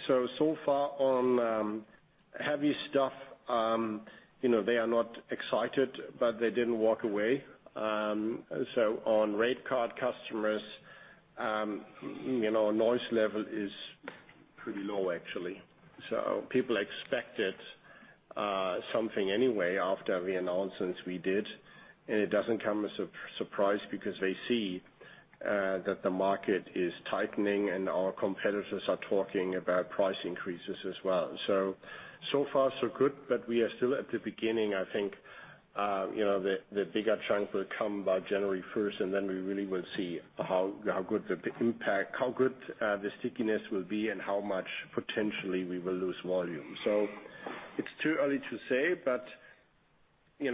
So far on heavy stuff, they are not excited, but they didn't walk away. On rate card customers, noise level is pretty low, actually. People expected something anyway after the announcements we did, and it doesn't come as a surprise because they see that the market is tightening and our competitors are talking about price increases as well. So far so good, but we are still at the beginning. I think, the bigger chunk will come by January 1st, and then we really will see how good the stickiness will be and how much, potentially, we will lose volume. It's too early to say, but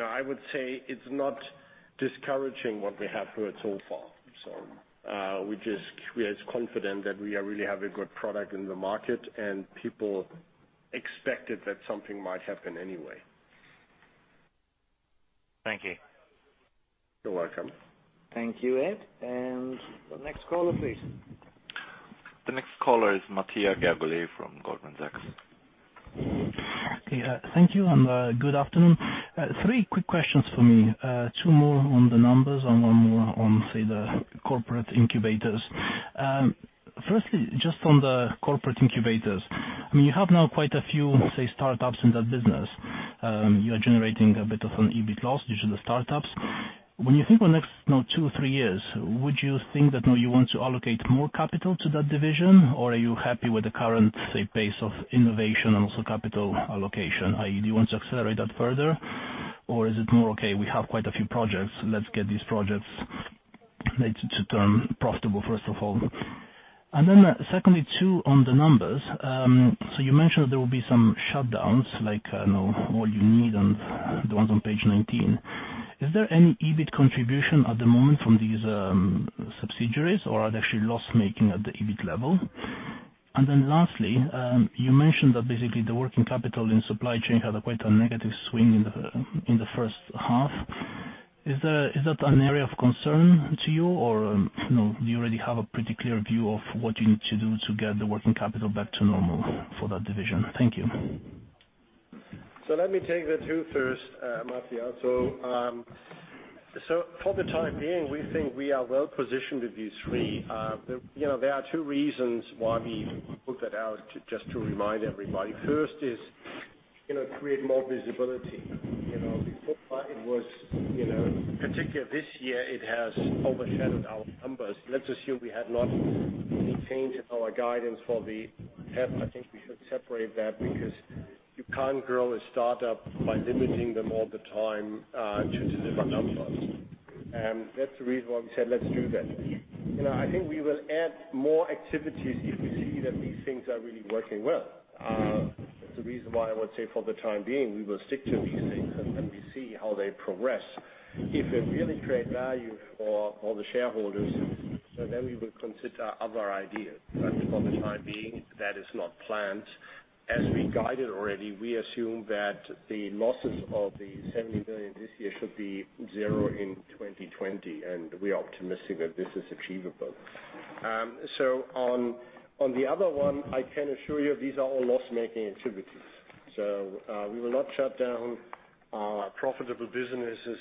I would say it's not discouraging what we have heard so far. We are confident that we really have a good product in the market, and people expected that something might happen anyway. Thank you. You're welcome. Thank you, Ed. The next caller, please. The next caller is Mattia Gabeli from Goldman Sachs. Thank you, and good afternoon. Three quick questions for me. Two more on the numbers and one more on, say, the corporate incubators. Firstly, just on the corporate incubators. You have now quite a few, say, startups in that business. You are generating a bit of an EBIT loss due to the startups. When you think about the next two or three years, would you think that now you want to allocate more capital to that division, or are you happy with the current, say, pace of innovation and also capital allocation, i.e., do you want to accelerate that further? Is it more, "Okay, we have quite a few projects. Let's get these projects made to turn profitable first of all." Secondly, too, on the numbers. You mentioned there will be some shutdowns, like Allyouneed and the ones on page 19. Is there any EBIT contribution at the moment from these subsidiaries, or are they actually loss-making at the EBIT level? Lastly, you mentioned that basically the working capital in supply chain had quite a negative swing in the first half. Is that an area of concern to you, or do you already have a pretty clear view of what you need to do to get the working capital back to normal for that division? Thank you. Let me take the two first, Mattia. For the time being, we think we are well positioned with these three. There are two reasons why we put that out, just to remind everybody. First is, create more visibility. Before, particularly this year, it has overshadowed our numbers. Let's assume we had not changed our guidance for the half, I think we should separate that because you can't grow a startup by limiting them all the time to deliver numbers. That's the reason why we said, "Let's do that." I think we will add more activities if we see that these things are really working well. That's the reason why I would say for the time being, we will stick to these things and we see how they progress. If they really create value for the shareholders, then we will consider other ideas. For the time being, that is not planned. As we guided already, we assume that the losses of the 70 million this year should be zero in 2020, and we are optimistic that this is achievable. On the other one, I can assure you, these are all loss-making activities. We will not shut down our profitable businesses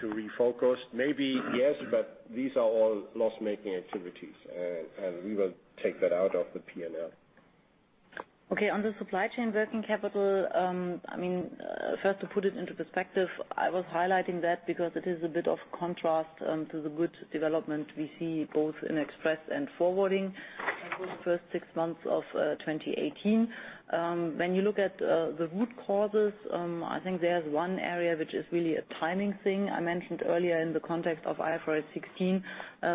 to refocus. Maybe, yes, these are all loss-making activities. We will take that out of the P&L. On the supply chain working capital. First, to put it into perspective, I was highlighting that because it is a bit of contrast to the good development we see both in Express and Forwarding for the first six months of 2018. When you look at the root causes, I think there's one area which is really a timing thing. I mentioned earlier in the context of IFRS 16,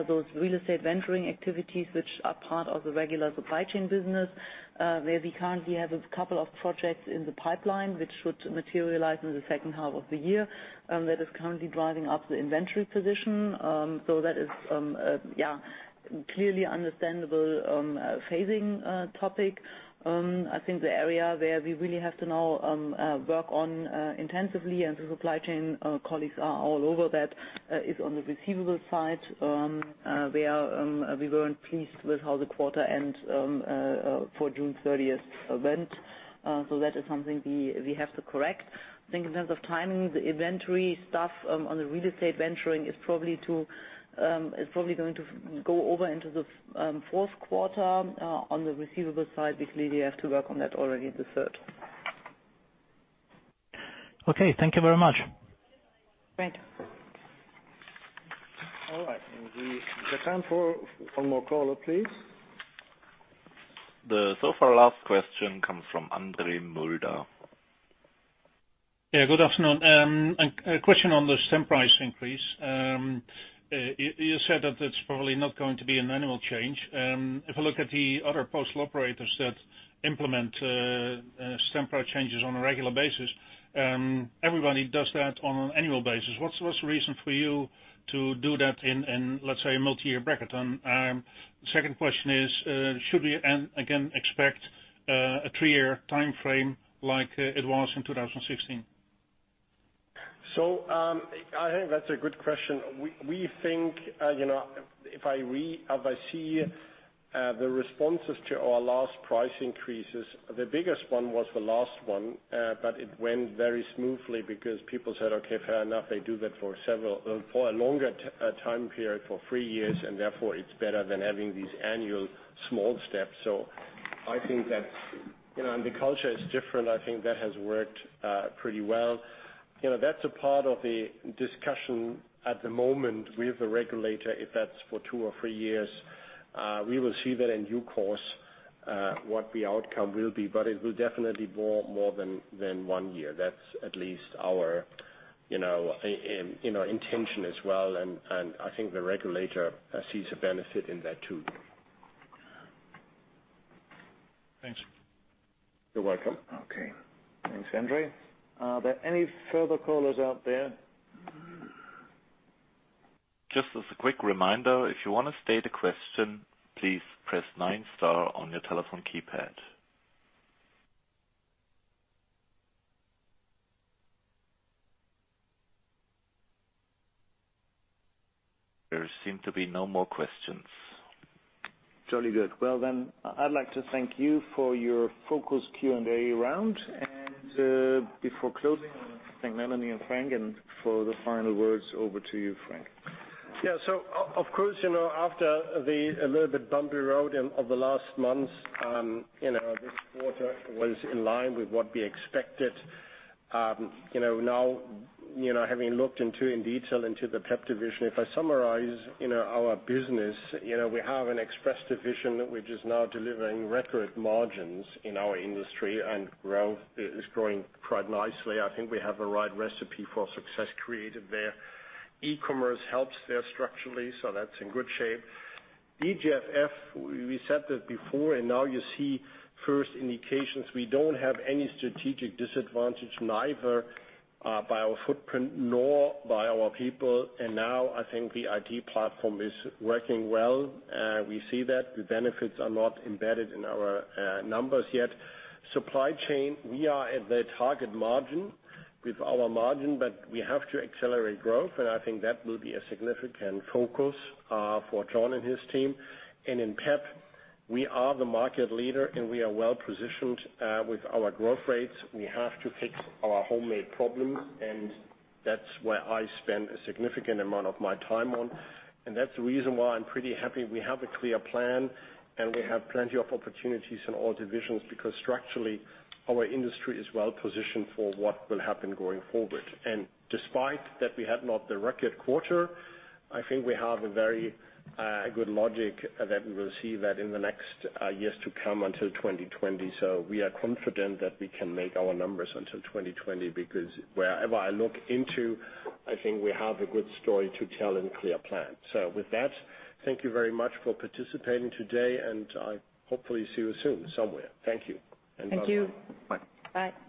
those real estate venturing activities which are part of the regular supply chain business, where we currently have a couple of projects in the pipeline, which should materialize in the second half of the year. That is currently driving up the inventory position. That is clearly understandable phasing topic. I think the area where we really have to now work on intensively, and the supply chain colleagues are all over that, is on the receivables side. We weren't pleased with how the quarter end for June 30th went. That is something we have to correct. I think in terms of timing, the inventory stuff on the real estate venturing is probably going to go over into the fourth quarter. On the receivables side, basically, we have to work on that already in the third. Thank you very much. Great. We have time for one more caller, please. The so far last question comes from Andre Mulder. Yeah, good afternoon. A question on the stamp price increase. You said that it's probably not going to be an annual change. If I look at the other postal operators that implement stamp price changes on a regular basis, everybody does that on an annual basis. What's the reason for you to do that in, let's say, a multi-year bracket? The second question is, should we, again, expect a three-year timeframe like it was in 2016? I think that's a good question. We think, if I see the responses to our last price increases, the biggest one was the last one. It went very smoothly because people said, "Okay, fair enough, they do that for a longer time period, for three years," and therefore, it's better than having these annual small steps. I think that, and the culture is different. I think that has worked pretty well. That's a part of the discussion at the moment with the regulator, if that's for two or three years. We will see that in due course, what the outcome will be. But it will definitely be more than one year. That's at least our intention as well. I think the regulator sees a benefit in that, too. Thanks. You're welcome. Okay. Thanks, Andre. Are there any further callers out there? Just as a quick reminder, if you want to state a question, please press nine star on your telephone keypad. There seem to be no more questions. Jolly good. Well then, I'd like to thank you for your focused Q&A round. Before closing, I thank Melanie and Frank, for the final words, over to you, Frank. Yeah. Of course, after the little bit bumpy road of the last months, this quarter was in line with what we expected. Now, having looked into in detail into the PeP division, if I summarize our business, we have an Express division which is now delivering record margins in our industry, growth is growing quite nicely. I think we have a right recipe for success created there. E-commerce helps there structurally, so that's in good shape. DGFF, we said that before, now you see first indications we don't have any strategic disadvantage, neither by our footprint nor by our people. Now I think the IT platform is working well. We see that. The benefits are not embedded in our numbers yet. Supply Chain, we are at the target margin with our margin, but we have to accelerate growth, and I think that will be a significant focus for John and his team. In PeP, we are the market leader, and we are well-positioned. With our growth rates, we have to fix our homemade problems, and that's where I spend a significant amount of my time on. That's the reason why I am pretty happy. We have a clear plan, and we have plenty of opportunities in all divisions because structurally, our industry is well-positioned for what will happen going forward. Despite that we had not the record quarter, I think we have a very good logic that we will see that in the next years to come until 2020. We are confident that we can make our numbers until 2020, because wherever I look into, I think we have a good story to tell and clear plan. With that, thank you very much for participating today, and I hopefully see you soon somewhere. Thank you, and bye-bye. Thank you. Bye. Bye.